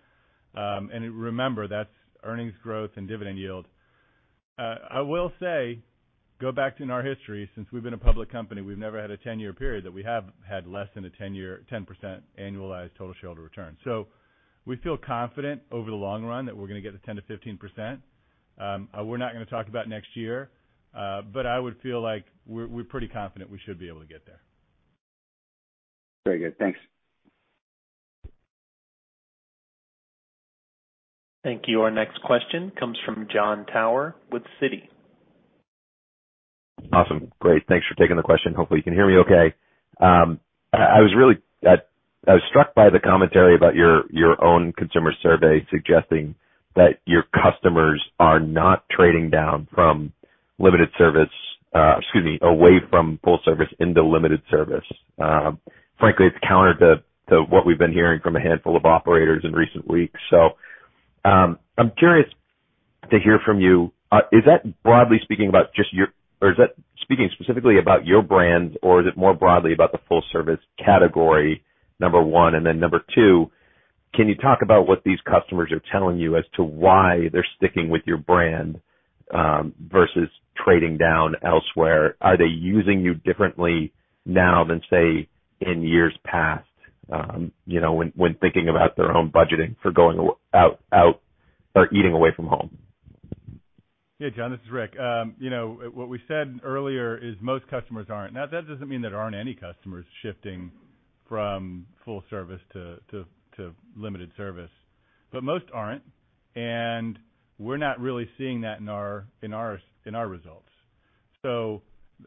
[SPEAKER 3] Remember, that's earnings growth and dividend yield. I will say, go back in our history. Since we've been a public company, we've never had a 10-year period that we have had less than a 10% annualized total shareholder return. We feel confident over the long run that we're gonna get to 10-15%. We're not gonna talk about next year, but I would feel like we're pretty confident we should be able to get there.
[SPEAKER 13] Very good. Thanks.
[SPEAKER 1] Thank you. Our next question comes from Jon Tower with Citi.
[SPEAKER 14] Awesome. Great. Thanks for taking the question. Hopefully, you can hear me okay. I was struck by the commentary about your own consumer survey suggesting that your customers are not trading down from limited service, excuse me, away from full service into limited service. Frankly, it's counter to what we've been hearing from a handful of operators in recent weeks. I'm curious to hear from you. Is that broadly speaking about just your-- or is that speaking specifically about your brands, or is it more broadly about the full service category, number 1? Then number 2, can you talk about what these customers are telling you as to why they're sticking with your brand versus trading down elsewhere? Are they using you differently now than, say, in years past, you know, when thinking about their own budgeting for going out or eating away from home?
[SPEAKER 3] Yeah. John, this is Rick. You know, what we said earlier is most customers aren't. That doesn't mean there aren't any customers shifting from full service to limited service, but most aren't, and we're not really seeing that in our results.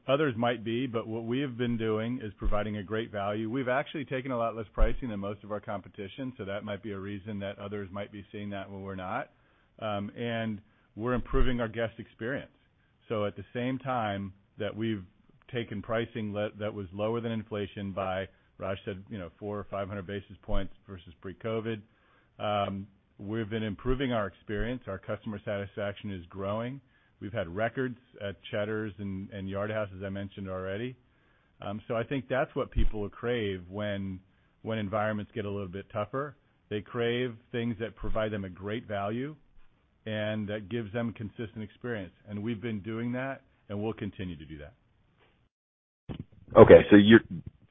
[SPEAKER 3] Others might be, but what we have been doing is providing a great value. We've actually taken a lot less pricing than most of our competition, so that might be a reason that others might be seeing that when we're not. And we're improving our guest experience. At the same time that we've taken pricing that was lower than inflation by, Raj said, you know, 400 or 500 basis points versus pre-COVID, we've been improving our experience. Our customer satisfaction is growing. We've had records at Cheddar's and Yard House, as I mentioned already. I think that's what people crave when environments get a little bit tougher. They crave things that provide them a great value and that gives them consistent experience. We've been doing that, and we'll continue to do that.
[SPEAKER 14] You're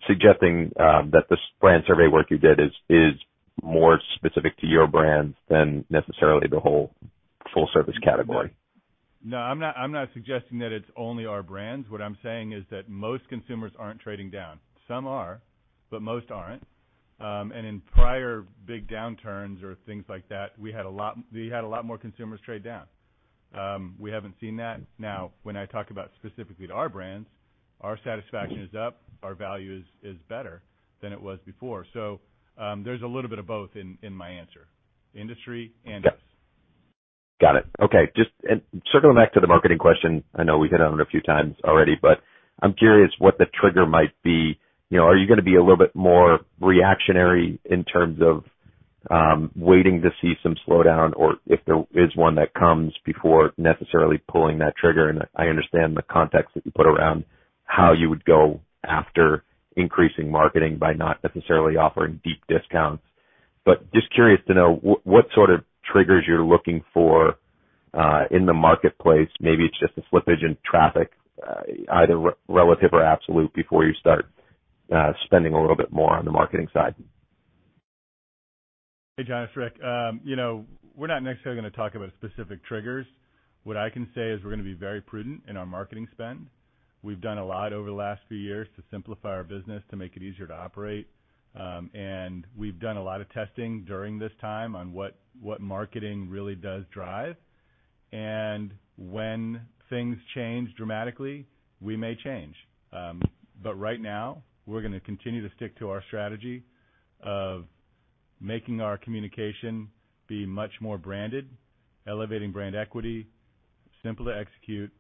[SPEAKER 14] suggesting that this brand survey work you did is more specific to your brands than necessarily the whole full service category?
[SPEAKER 3] No, I'm not suggesting that it's only our brands. What I'm saying is that most consumers aren't trading down. Some are, but most aren't. In prior big downturns or things like that, we had a lot more consumers trade down. We haven't seen that. Now, when I talk about specifically to our brands, our satisfaction is up, our value is better than it was before. There's a little bit of both in my answer, industry and us.
[SPEAKER 14] Got it. Okay, just circling back to the marketing question. I know we hit on it a few times already, but I'm curious what the trigger might be. You know, are you gonna be a little bit more reactionary in terms of waiting to see some slowdown or if there is one that comes before necessarily pulling that trigger? I understand the context that you put around how you would go after increasing marketing by not necessarily offering deep discounts. Just curious to know what sort of triggers you're looking for in the marketplace. Maybe it's just a slippage in traffic, either relative or absolute, before you start spending a little bit more on the marketing side.
[SPEAKER 3] Hey, Jon, Rick. You know, we're not necessarily gonna talk about specific triggers. What I can say is we're gonna be very prudent in our marketing spend. We've done a lot over the last few years to simplify our business, to make it easier to operate. We've done a lot of testing during this time on what marketing really does drive. When things change dramatically, we may change. Right now, we're gonna continue to stick to our strategy of making our communication be much more branded, elevating brand equity, simple to execute,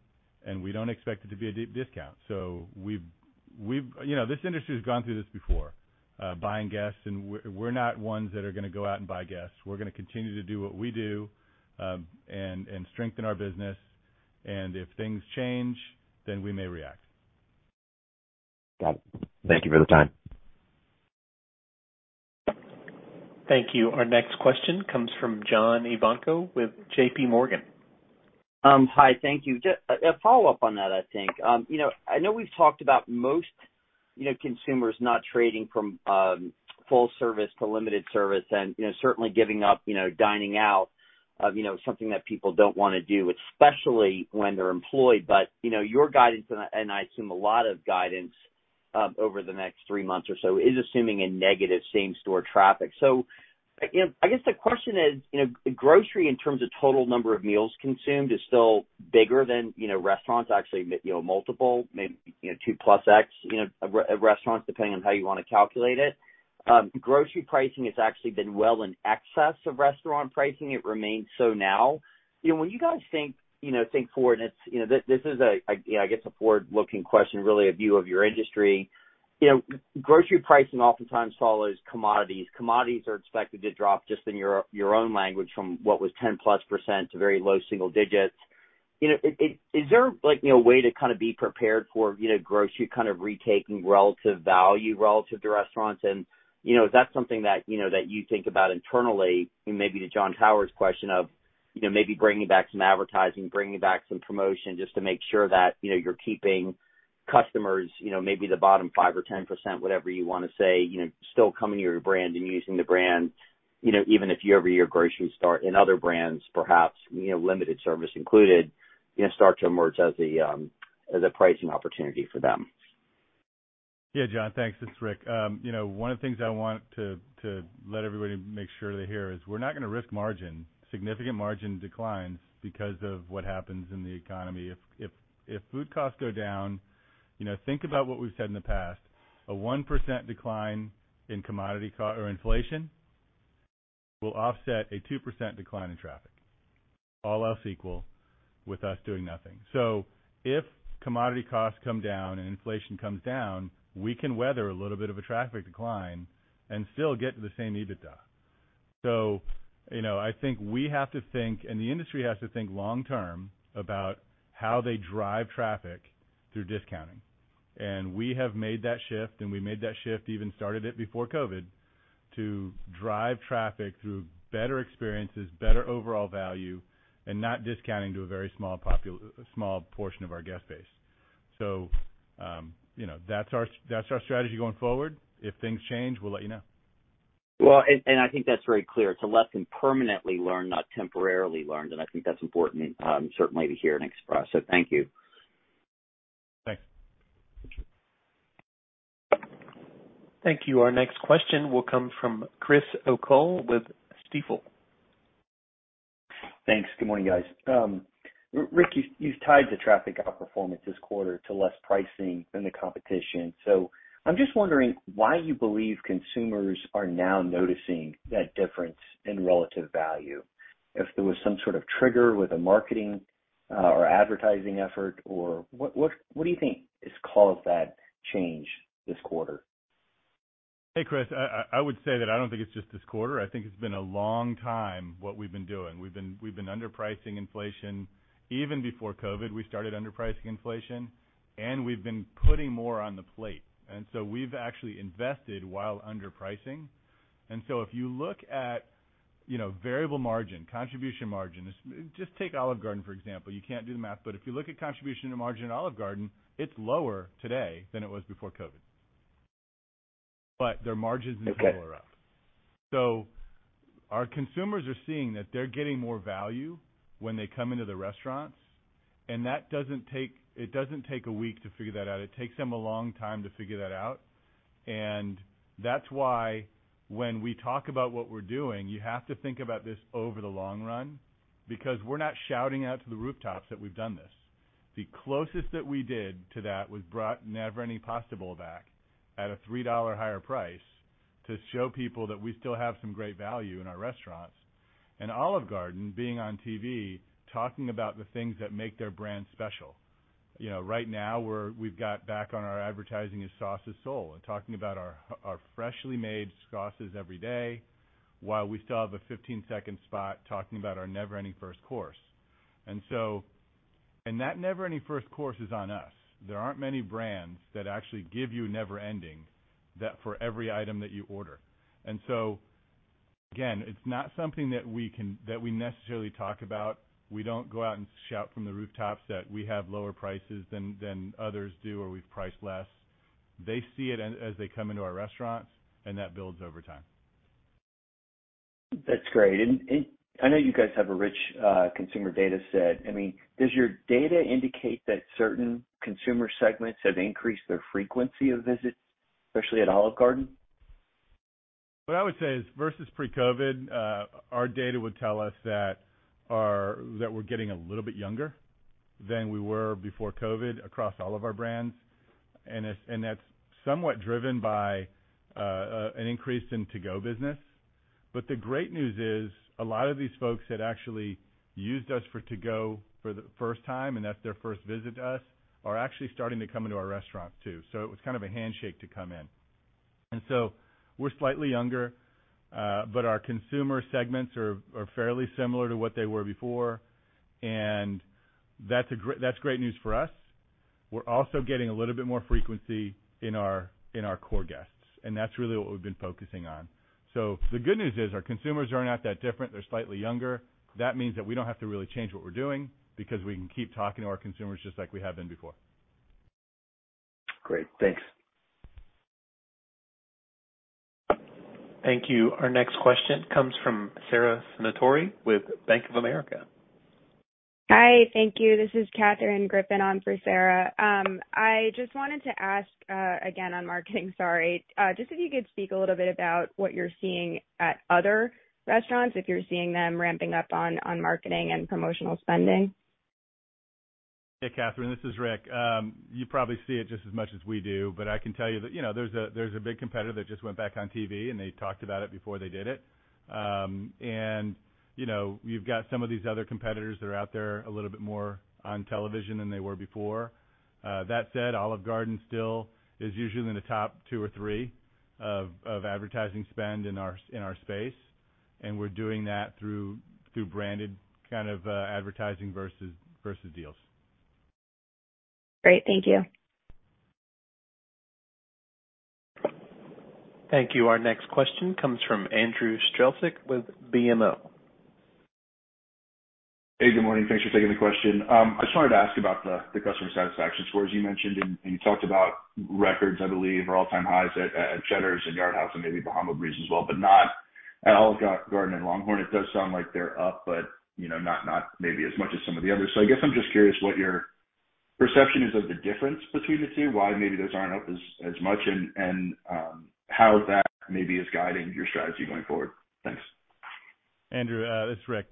[SPEAKER 3] and we don't expect it to be a deep discount. You know, this industry has gone through this before, buying guests, and we're not ones that are gonna go out and buy guests. We're gonna continue to do what we do, and strengthen our business. If things change, then we may react.
[SPEAKER 11] Got it. Thank you for the time.
[SPEAKER 1] Thank you. Our next question comes from John Ivankoe with J.P. Morgan.
[SPEAKER 15] Hi. Thank you. Just a follow-up on that, I think. You know, I know we've talked about most, you know, consumers not trading from full service to limited service and, you know, certainly giving up, you know, dining out, you know, something that people don't wanna do, especially when they're employed. You know, your guidance, and I assume a lot of guidance, over the next 3 months or so is assuming a negative same-store traffic. You know, I guess the question is, you know, grocery in terms of total number of meals consumed is still bigger than, you know, restaurants actually, you know, multiple, maybe, you know, 2+x, you know, re-restaurants depending on how you wanna calculate it. Grocery pricing has actually been well in excess of restaurant pricing. It remains so now. You know, when you guys think, you know, think forward, and it's, you know, this is a, I guess, a forward-looking question, really a view of your industry. You know, grocery pricing oftentimes follows commodities. Commodities are expected to drop just in your own language from what was 10+% to very low single digits. You know, is there, like, you know, a way to kinda be prepared for, you know, grocery kind of retaking relative value relative to restaurants? Is that something that, you know, that you think about internally? Maybe to John Ivankoe's question of, you know, maybe bringing back some advertising, bringing back some promotion, just to make sure that, you know, you're keeping customers, you know, maybe the bottom 5% or 10%, whatever you wanna say, you know, still coming to your brand and using the brand, you know, even if year-over-year grocery store and other brands, perhaps, you know, limited service included, you know, start to emerge as a pricing opportunity for them.
[SPEAKER 3] Yeah. John, thanks. It's Rick. you know, one of the things I want to let everybody make sure they hear is we're not gonna risk margin, significant margin declines because of what happens in the economy. If food costs go down, you know, think about what we've said in the past. A 1% decline in commodity or inflation will offset a 2% decline in traffic, all else equal, with us doing nothing. If commodity costs come down and inflation comes down, we can weather a little bit of a traffic decline and still get to the same EBITDA. you know, I think we have to think, and the industry has to think long term about how they drive traffic through discounting. We have made that shift, even started it before COVID, to drive traffic through better experiences, better overall value, and not discounting to a very small portion of our guest base. You know, that's our strategy going forward. If things change, we'll let you know.
[SPEAKER 15] Well, I think that's very clear. It's a lesson permanently learned, not temporarily learned. I think that's important, certainly to hear and express. Thank you.
[SPEAKER 3] Thanks.
[SPEAKER 1] Thank you. Our next question will come from Chris O'Cull with Stifel.
[SPEAKER 16] Thanks. Good morning, guys. Rick, you tied the traffic outperformance this quarter to less pricing than the competition. I'm just wondering why you believe consumers are now noticing that difference in relative value. If there was some sort of trigger with a marketing or advertising effort, or what do you think has caused that change this quarter?
[SPEAKER 3] Hey, Chris. I would say that I don't think it's just this quarter. I think it's been a long time, what we've been doing. We've been underpricing inflation. Even before COVID, we started underpricing inflation, and we've been putting more on the plate. We've actually invested while underpricing. If you look at, you know, variable margin, contribution margin, just take Olive Garden, for example. You can't do the math, but if you look at contribution to margin at Olive Garden, it's lower today than it was before COVID. Their margins and sales are up.
[SPEAKER 16] Okay.
[SPEAKER 3] Our consumers are seeing that they're getting more value when they come into the restaurants. That doesn't take a week to figure that out. It takes them a long time to figure that out. That's why when we talk about what we're doing, you have to think about this over the long run because we're not shouting out to the rooftops that we've done this. The closest that we did to that was brought Never Ending Pasta Bowl back at a $3 higher price to show people that we still have some great value in our restaurants. Olive Garden being on TV talking about the things that make their brand special. You know, right now we've got back on our advertising is Sauce of Soul and talking about our freshly made sauces every day, while we still have a 15-second spot talking about our Never Ending First Course. That Never Ending First Course is on us. There aren't many brands that actually give you never ending that for every item that you order. Again, it's not something that we necessarily talk about. We don't go out and shout from the rooftops that we have lower prices than others do or we've priced less. They see it as they come into our restaurants, and that builds over time.
[SPEAKER 16] That's great. I know you guys have a rich, consumer data set. I mean, does your data indicate that certain consumer segments have increased their frequency of visits, especially at Olive Garden?
[SPEAKER 3] What I would say is, versus pre-COVID, our data would tell us that we're getting a little bit younger than we were before COVID across all of our brands. That's somewhat driven by an increase in to-go business. The great news is a lot of these folks that actually used us for to-go for the first time, and that's their first visit to us, are actually starting to come into our restaurants, too. It was kind of a handshake to come in. We're slightly younger, but our consumer segments are fairly similar to what they were before, and that's great news for us. We're also getting a little bit more frequency in our core guests, and that's really what we've been focusing on. The good news is our consumers are not that different. They're slightly younger. That means that we don't have to really change what we're doing because we can keep talking to our consumers just like we have been before.
[SPEAKER 16] Great. Thanks.
[SPEAKER 1] Thank you. Our next question comes from Sara Senatore with Bank of America.
[SPEAKER 17] Hi. Thank you. This is Katherine Griffin on for Sara. I just wanted to ask, again on marketing, sorry. Just if you could speak a little bit about what you're seeing at other restaurants, if you're seeing them ramping up on marketing and promotional spending.
[SPEAKER 3] Yeah, Katherine, this is Rick. You probably see it just as much as we do, but I can tell you that, you know, there's a, there's a big competitor that just went back on TV, and they talked about it before they did it. You know, you've got some of these other competitors that are out there a little bit more on television than they were before. That said, Olive Garden still is usually in the top two or three of advertising spend in our space, and we're doing that through branded kind of advertising versus deals.
[SPEAKER 17] Great. Thank you.
[SPEAKER 1] Thank you. Our next question comes from Andrew Strelzik with BMO.
[SPEAKER 18] Good morning. Thanks for taking the question. I just wanted to ask about the customer satisfaction scores you mentioned, and you talked about records, I believe, or all-time highs at Cheddar's and Yard House and maybe Bahama Breeze as well, but not at Olive Garden and LongHorn. It does sound like they're up, you know, not maybe as much as some of the others. I guess I'm just curious what your perception is of the difference between the two, why maybe those aren't up as much, and how that maybe is guiding your strategy going forward. Thanks.
[SPEAKER 3] Andrew, it's Rick.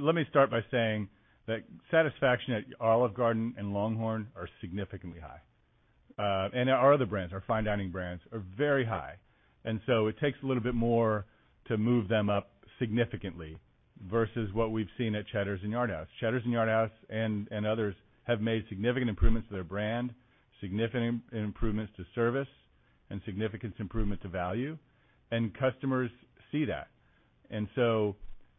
[SPEAKER 3] Let me start by saying that satisfaction at Olive Garden and LongHorn are significantly high. And our other brands, our fine dining brands are very high. It takes a little bit more to move them up significantly versus what we've seen at Cheddar's and Yard House. Cheddar's and Yard House and others have made significant improvements to their brand, significant improvements to service, and significant improvement to value, and customers see that.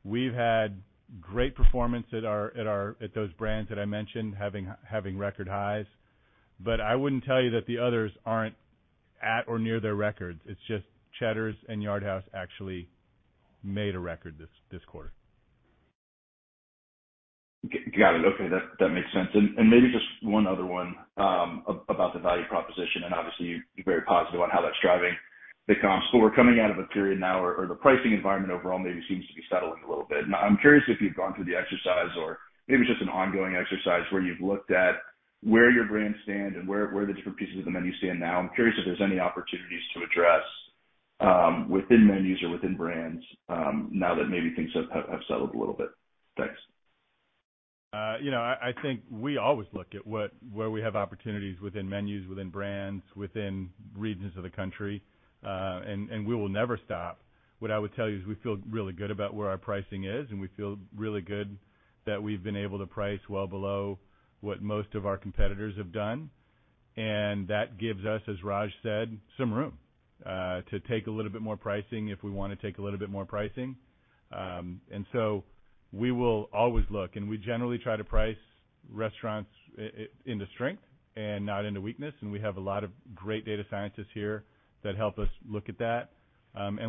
[SPEAKER 3] We've had great performance at those brands that I mentioned having record highs. I wouldn't tell you that the others aren't at or near their records. It's just Cheddar's and Yard House actually made a record this quarter.
[SPEAKER 18] Got it. Okay, that makes sense. Maybe just one other one, about the value proposition, and obviously you're very positive on how that's driving the comps. We're coming out of a period now or the pricing environment overall maybe seems to be settling a little bit. I'm curious if you've gone through the exercise or maybe it's just an ongoing exercise where you've looked at where your brands stand and where the different pieces of the menu stand now. I'm curious if there's any opportunities to address within menus or within brands, now that maybe things have settled a little bit. Thanks.
[SPEAKER 3] You know, I think we always look at where we have opportunities within menus, within brands, within regions of the country, and we will never stop. What I would tell you is we feel really good about where our pricing is, and we feel really good that we've been able to price well below what most of our competitors have done. That gives us, as Raj said, some room to take a little bit more pricing if we wanna take a little bit more pricing. We will always look, and we generally try to price restaurants in the strength and not in the weakness. We have a lot of great data scientists here that help us look at that.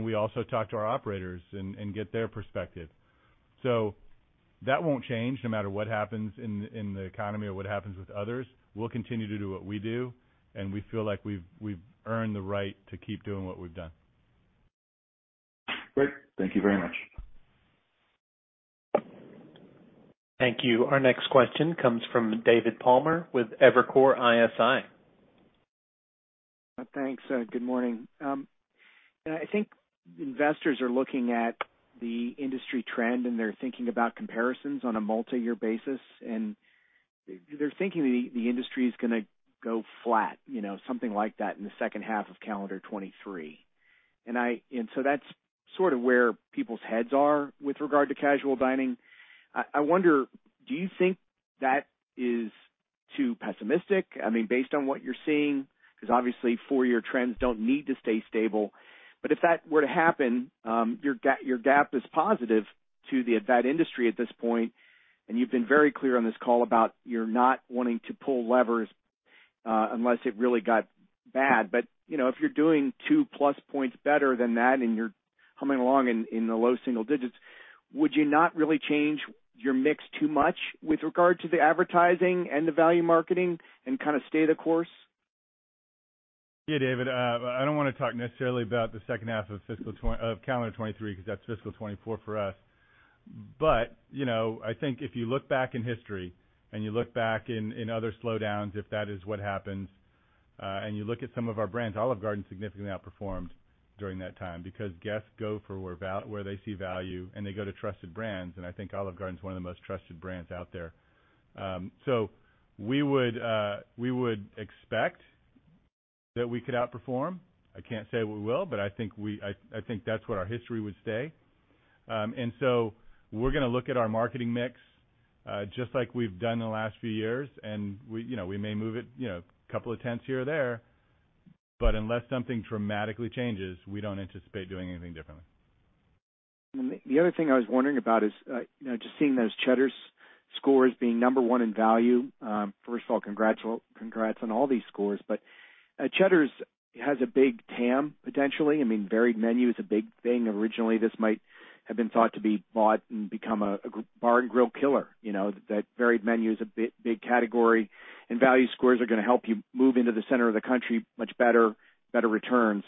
[SPEAKER 3] We also talk to our operators and get their perspective. That won't change no matter what happens in the economy or what happens with others. We'll continue to do what we do, and we feel like we've earned the right to keep doing what we've done.
[SPEAKER 18] Great. Thank you very much.
[SPEAKER 1] Thank you. Our next question comes from David Palmer with Evercore ISI.
[SPEAKER 19] Thanks. Good morning. I think investors are looking at the industry trend, and they're thinking about comparisons on a multi-year basis, and they're thinking the industry is gonna go flat, you know, something like that, in the second half of calendar 2023. That's sort of where people's heads are with regard to casual dining. I wonder, do you think that is too pessimistic? I mean, based on what you're seeing, because obviously 4-year trends don't need to stay stable. If that were to happen, your gap is positive to that industry at this point, and you've been very clear on this call about you're not wanting to pull levers unless it really got bad. You know, if you're doing 2 plus points better than that and you're humming along in the low single digits. Would you not really change your mix too much with regard to the advertising and the value marketing and kind of stay the course?
[SPEAKER 3] Yeah, David, I don't wanna talk necessarily about the second half of fiscal of calendar 2023, because that's fiscal 2024 for us. You know, I think if you look back in history and you look back in other slowdowns, if that is what happens, and you look at some of our brands, Olive Garden significantly outperformed during that time because guests go for where they see value, and they go to trusted brands. I think Olive Garden is one of the most trusted brands out there. We would, we would expect that we could outperform. I can't say we will, but I think that's what our history would say. We're gonna look at our marketing mix, just like we've done the last few years, and we, you know, we may move it, you know, a couple of tenths here or there, but unless something dramatically changes, we don't anticipate doing anything differently.
[SPEAKER 19] The other thing I was wondering about is, you know, just seeing those Cheddar's scores being number one in value. First of all, congrats on all these scores. Cheddar's has a big TAM, potentially. I mean, varied menu is a big thing. Originally, this might have been thought to be bought and become a bar and grill killer, you know? That varied menu is a big category, and value scores are gonna help you move into the center of the country much better returns.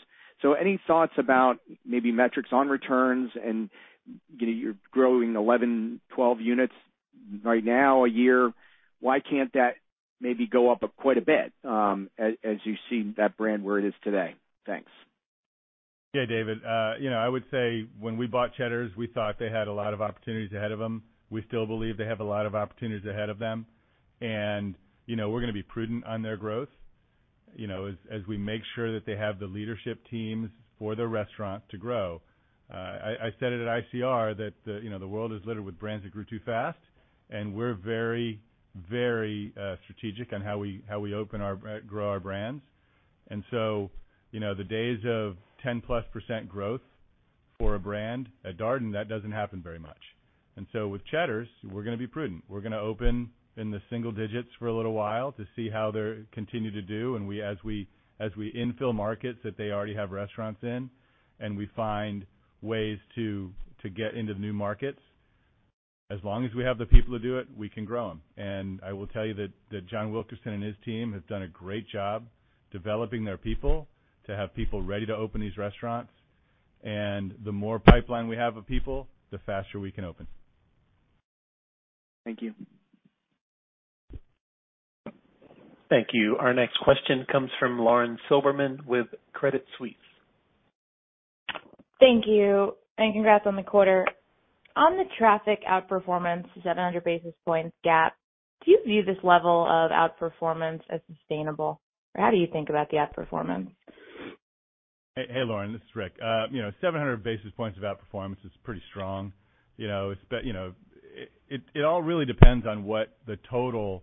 [SPEAKER 19] Any thoughts about maybe metrics on returns and, you know, you're growing 11, 12 units right now a year. Why can't that maybe go up quite a bit, as you see that brand where it is today? Thanks.
[SPEAKER 3] Yeah, David. You know, I would say when we bought Cheddar's, we thought they had a lot of opportunities ahead of them. We still believe they have a lot of opportunities ahead of them. You know, we're gonna be prudent on their growth, you know, as we make sure that they have the leadership teams for the restaurant to grow. I said it at ICR that the, you know, the world is littered with brands that grew too fast, and we're very, very strategic on how we grow our brands. You know, the days of 10+% growth for a brand at Darden, that doesn't happen very much. With Cheddar's, we're gonna be prudent. We're gonna open in the single digits for a little while to see how they continue to do. As we infill markets that they already have restaurants in, and we find ways to get into new markets, as long as we have the people to do it, we can grow them. I will tell you that John Wilkerson and his team have done a great job developing their people to have people ready to open these restaurants. The more pipeline we have of people, the faster we can open.
[SPEAKER 19] Thank you.
[SPEAKER 1] Thank you. Our next question comes from Lauren Silberman with Credit Suisse.
[SPEAKER 20] Thank you, and congrats on the quarter. On the traffic outperformance, the 700 basis points gap, do you view this level of outperformance as sustainable? How do you think about the outperformance?
[SPEAKER 3] Hey, Lauren, this is Rick. You know, 700 basis points of outperformance is pretty strong. You know, it all really depends on what the total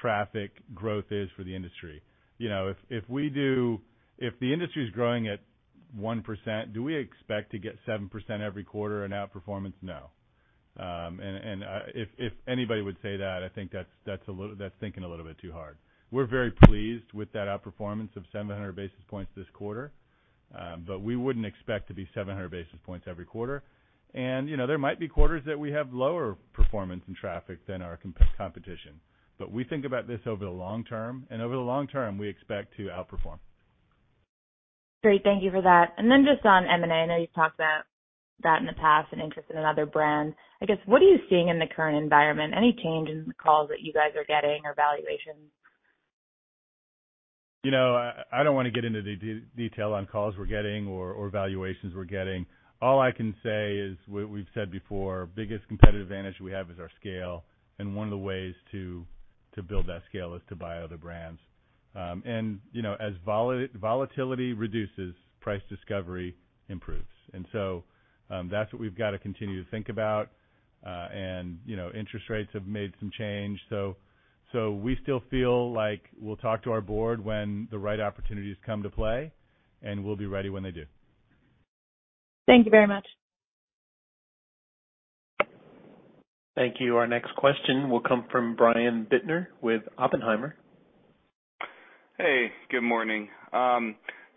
[SPEAKER 3] traffic growth is for the industry. You know, if the industry is growing at 1%, do we expect to get 7% every quarter in outperformance? No. If anybody would say that, I think that's thinking a little bit too hard. We're very pleased with that outperformance of 700 basis points this quarter. We wouldn't expect to be 700 basis points every quarter. You know, there might be quarters that we have lower performance in traffic than our competition. We think about this over the long term, and over the long term, we expect to outperform.
[SPEAKER 20] Great. Thank you for that. Just on M&A, I know you've talked about that in the past and interest in another brand. I guess, what are you seeing in the current environment? Any change in calls that you guys are getting or valuations?
[SPEAKER 3] You know, I don't wanna get into the detail on calls we're getting or valuations we're getting. All I can say is what we've said before, biggest competitive advantage we have is our scale, and one of the ways to build that scale is to buy other brands. You know, as volatility reduces, price discovery improves. That's what we've got to continue to think about. You know, interest rates have made some change. So we still feel like we'll talk to our board when the right opportunities come to play, and we'll be ready when they do.
[SPEAKER 20] Thank you very much.
[SPEAKER 1] Thank you. Our next question will come from Brian Bittner with Oppenheimer.
[SPEAKER 19] Hey, good morning.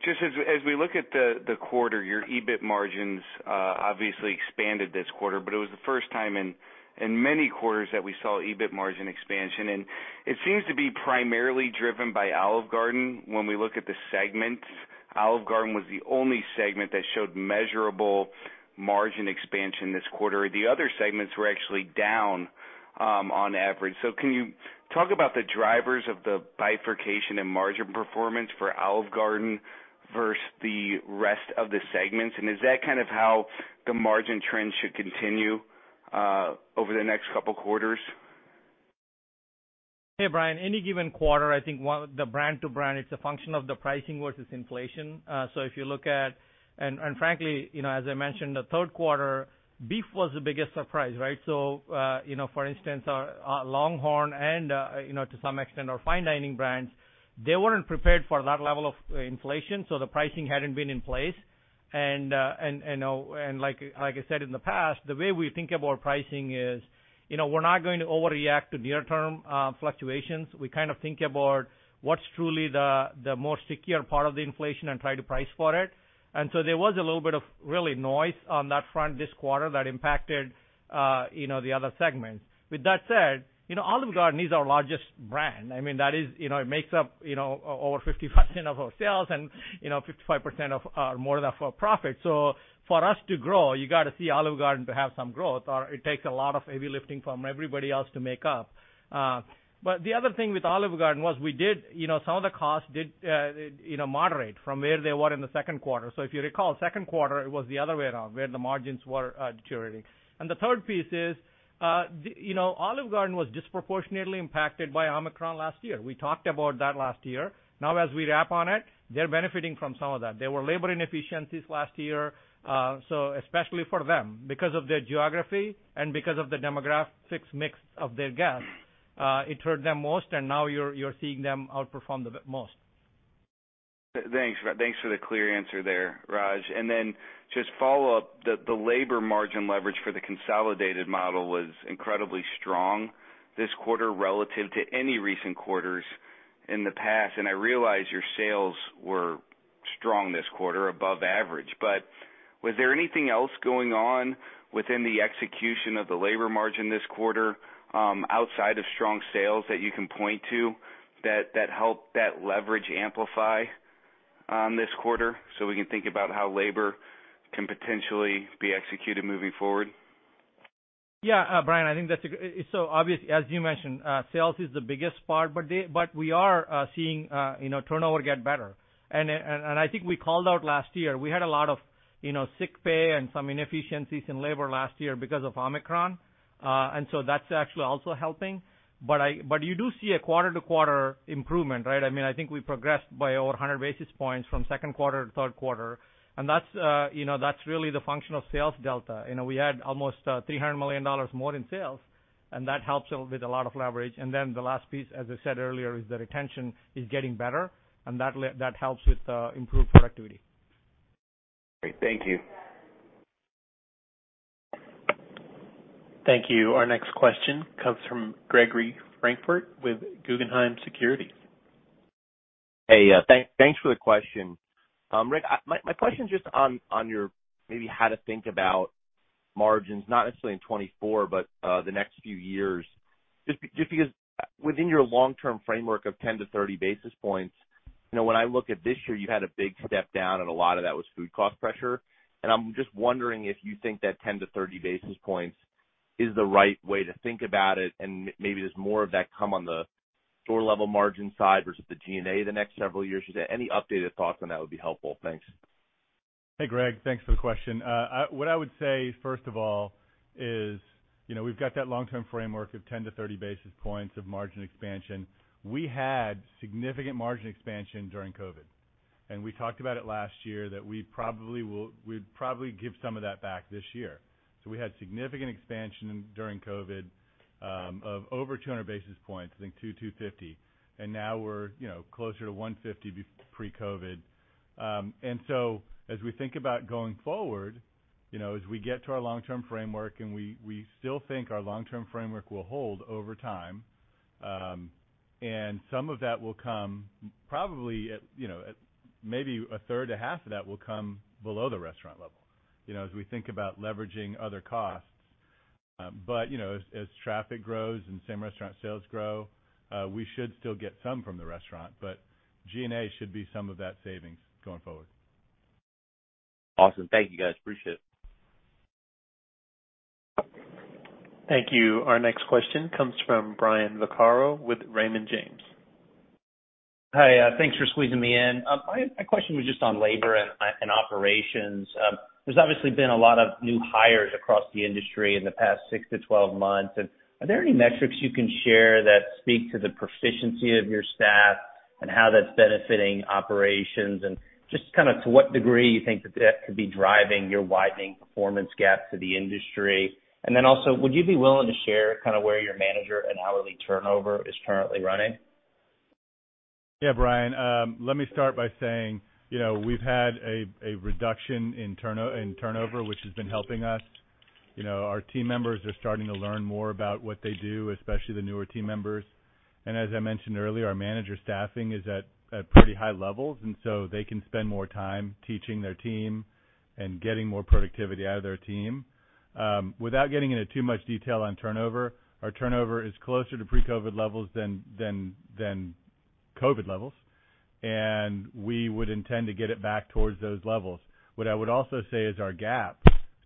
[SPEAKER 19] Just as we look at the quarter, your EBIT margins obviously expanded this quarter, but it was the first time in many quarters that we saw EBIT margin expansion, and it seems to be primarily driven by Olive Garden. When we look at the segments, Olive Garden was the only segment that showed measurable margin expansion this quarter. The other segments were actually down on average. Can you talk about the drivers of the bifurcation and margin performance for Olive Garden versus the rest of the segments? Is that kind of how the margin trend should continue over the next couple quarters?
[SPEAKER 4] Hey, Brian. Any given quarter, I think one the brand to brand, it's a function of the pricing versus inflation. If you look at... Frankly, you know, as I mentioned, the Q3, beef was the biggest surprise, right? For instance, you know, our LongHorn and, you know, to some extent our fine dining brands, they weren't prepared for that level of inflation, so the pricing hadn't been in place. Like I said in the past, the way we think about pricing is, you know, we're not going to overreact to near-term fluctuations. We kind of think about what's truly the more secure part of the inflation and try to price for it. There was a little bit of really noise on that front this quarter that impacted, you know, the other segments. With that said, you know, Olive Garden is our largest brand. I mean, that is, you know, it makes up, you know, over 50% of our sales and you know, 55% more than that for profit. For us to grow, you gotta see Olive Garden to have some growth, or it takes a lot of heavy lifting from everybody else to make up. The other thing with Olive Garden was we did, you know, some of the costs did, you know, moderate from where they were in the Q2. If you recall, Q2, it was the other way around, where the margins were deteriorating. The third piece is, you know, Olive Garden was disproportionately impacted by Omicron last year. We talked about that last year. As we wrap on it, they're benefiting from some of that. There were labor inefficiencies last year. Especially for them, because of their geography and because of the demographics mix of their guests, it hurt them most. Now you're seeing them outperform the most.
[SPEAKER 21] Thanks for the clear answer there, Raj. Then just follow up, the labor margin leverage for the consolidated model was incredibly strong this quarter relative to any recent quarters in the past. I realize your sales were strong this quarter, above average, but was there anything else going on within the execution of the labor margin this quarter, outside of strong sales that you can point to that helped that leverage amplify this quarter so we can think about how labor can potentially be executed moving forward?
[SPEAKER 4] Brian, I think that's obviously, as you mentioned, sales is the biggest part, but we are seeing, you know, turnover get better. I think we called out last year, we had a lot of, you know, sick pay and some inefficiencies in labor last year because of Omicron. That's actually also helping. You do see a quarter-to-quarter improvement, right? I mean, I think we progressed by over 100 basis points from Q2 to Q3. That's, you know, that's really the function of sales delta. You know, we had almost $300 million more in sales, and that helps with a lot of leverage. The last piece, as I said earlier, is the retention is getting better, and that helps with improved productivity.
[SPEAKER 21] Great. Thank you.
[SPEAKER 1] Thank you. Our next question comes from Gregory Francfort with Guggenheim Securities.
[SPEAKER 22] Hey, thanks for the question. Rick, my question is just on your maybe how to think about margins, not necessarily in 2024, but the next few years. Just because within your long-term framework of 10 to 30 basis points, you know, when I look at this year, you had a big step down and a lot of that was food cost pressure. I'm just wondering if you think that 10 to 30 basis points is the right way to think about it, and maybe there's more of that come on the store level margin side versus the G&A the next several years. Just any updated thoughts on that would be helpful. Thanks.
[SPEAKER 3] Hey, Greg. Thanks for the question. What I would say, first of all, is, you know, we've got that long-term framework of 10-30 basis points of margin expansion. We had significant margin expansion during COVID. We talked about it last year that we'd probably give some of that back this year. We had significant expansion during COVID of over 200 basis points, I think 2, 250. Now we're, you know, closer to 150 pre-COVID. As we think about going forward, you know, as we get to our long-term framework and we still think our long-term framework will hold over time, some of that will come probably at maybe a third to half of that will come below the restaurant level, you know, as we think about leveraging other costs. You know, as traffic grows and same restaurant sales grow, we should still get some from the restaurant, but G&A should be some of that savings going forward.
[SPEAKER 22] Awesome. Thank you, guys. Appreciate it.
[SPEAKER 1] Thank you. Our next question comes from Brian Vaccaro with Raymond James.
[SPEAKER 23] Hi, thanks for squeezing me in. My question was just on labor and operations. There's obviously been a lot of new hires across the industry in the past 6-12 months. Are there any metrics you can share that speak to the proficiency of your staff and how that's benefiting operations? Just kinda to what degree you think that that could be driving your widening performance gap to the industry. Then also, would you be willing to share kinda where your manager and hourly turnover is currently running?
[SPEAKER 3] Yeah, Brian. Let me start by saying, you know, we've had a reduction in turnover, which has been helping us. You know, our team members are starting to learn more about what they do, especially the newer team members. As I mentioned earlier, our manager staffing is at pretty high levels, they can spend more time teaching their team and getting more productivity out of their team. Without getting into too much detail on turnover, our turnover is closer to Pre-COVID levels than COVID levels, we would intend to get it back towards those levels. What I would also say is our gap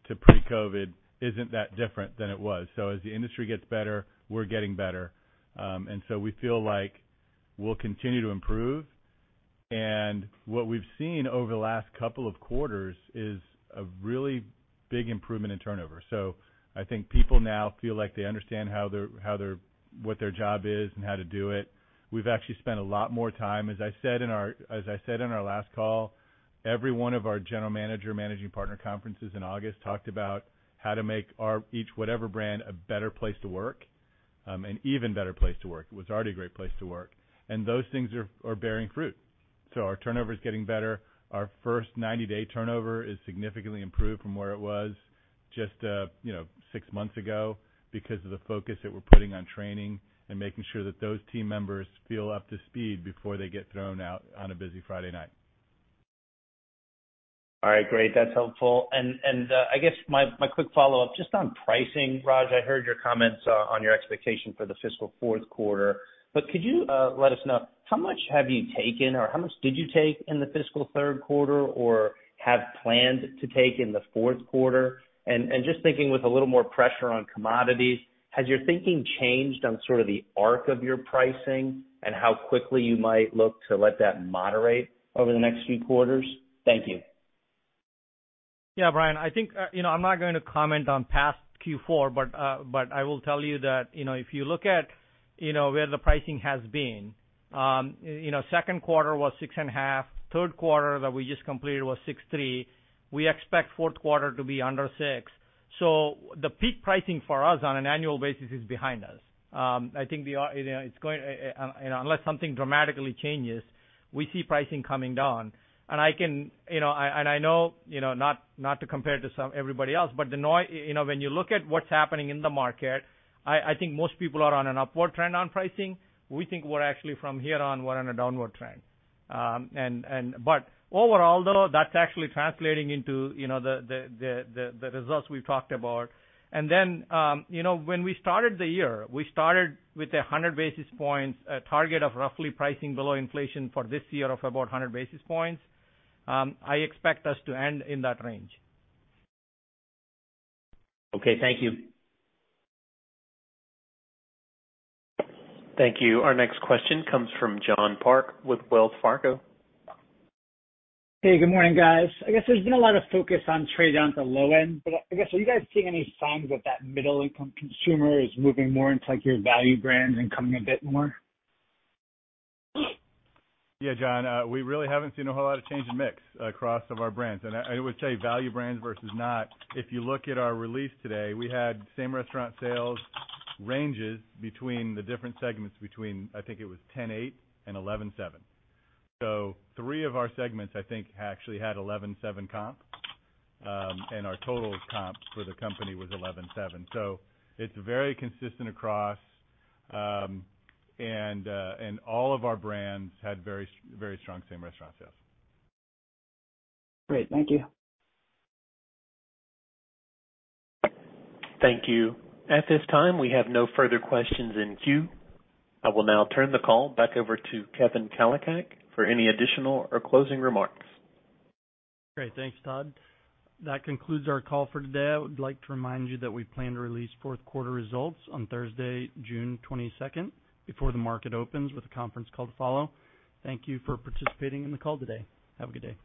[SPEAKER 3] to Pre-COVID isn't that different than it was. As the industry gets better, we're getting better. We feel like we'll continue to improve. What we've seen over the last couple of quarters is a really big improvement in turnover. I think people now feel like they understand how their what their job is and how to do it. We've actually spent a lot more time, as I said in our last call, every one of our general manager, managing partner conferences in August talked about how to make our each whatever brand a better place to work. An even better place to work. It was already a great place to work, and those things are bearing fruit. Our turnover is getting better. Our first 90-day turnover is significantly improved from where it was just, you know, six months ago because of the focus that we're putting on training and making sure that those team members feel up to speed before they get thrown out on a busy Friday night.
[SPEAKER 23] All right, great. That's helpful. I guess my quick follow-up just on pricing. Raj, I heard your comments on your expectation for the fiscal Q4, could you let us know how much have you taken or how much did you take in the fiscal Q3 or have planned to take in the Q4? Just thinking with a little more pressure on commodities, has your thinking changed on sort of the arc of your pricing and how quickly you might look to let that moderate over the next few quarters? Thank you.
[SPEAKER 4] Brian, I think, you know, I'm not going to comment on past Q4, but I will tell you that, you know, if you look at, you know, where the pricing has been, you know, Q2 was 6.5%. Q3that we just completed was 6.3%. We expect Q4 to be under 6%. The peak pricing for us on an annual basis is behind us. I think, you know, unless something dramatically changes, we see pricing coming down. You know, and I know, you know, not to compare to everybody else, but the, you know, when you look at what's happening in the market, I think most people are on an upward trend on pricing. We think we're actually from here on, we're on a downward trend. Overall, though, that's actually translating into, you know, the results we've talked about. Then, you know, when we started the year, we started with 100 basis points, a target of roughly pricing below inflation for this year of about 100 basis points. I expect us to end in that range.
[SPEAKER 23] Okay, thank you.
[SPEAKER 1] Thank you. Our next question comes from John Park with Wells Fargo.
[SPEAKER 24] Hey, good morning, guys. I guess there's been a lot of focus on trade down at the low end, but I guess, are you guys seeing any signs that that middle income consumer is moving more into like your value brands and coming a bit more?
[SPEAKER 3] Yeah, John, we really haven't seen a whole lot of change in mix across of our brands. I would tell you value brands versus not, if you look at our release today, we had same restaurant sales ranges between the different segments between, I think it was 10.8% and 11.7%. 3 of our segments, I think, actually had 11.7% comp, and our total comp for the company was 11.7%. It's very consistent across, and all of our brands had very, very strong same-restaurant sales.
[SPEAKER 24] Great. Thank you.
[SPEAKER 1] Thank you. At this time, we have no further questions in queue. I will now turn the call back over to Kevin Kalicak for any additional or closing remarks.
[SPEAKER 2] Great. Thanks, Todd. That concludes our call for today. I would like to remind you that we plan to release Q4 results on Thursday, June 22nd, before the market opens with a conference call to follow. Thank you for participating in the call today. Have a good day.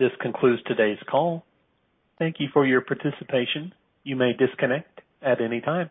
[SPEAKER 1] This concludes today's call. Thank you for your participation. You may disconnect at any time.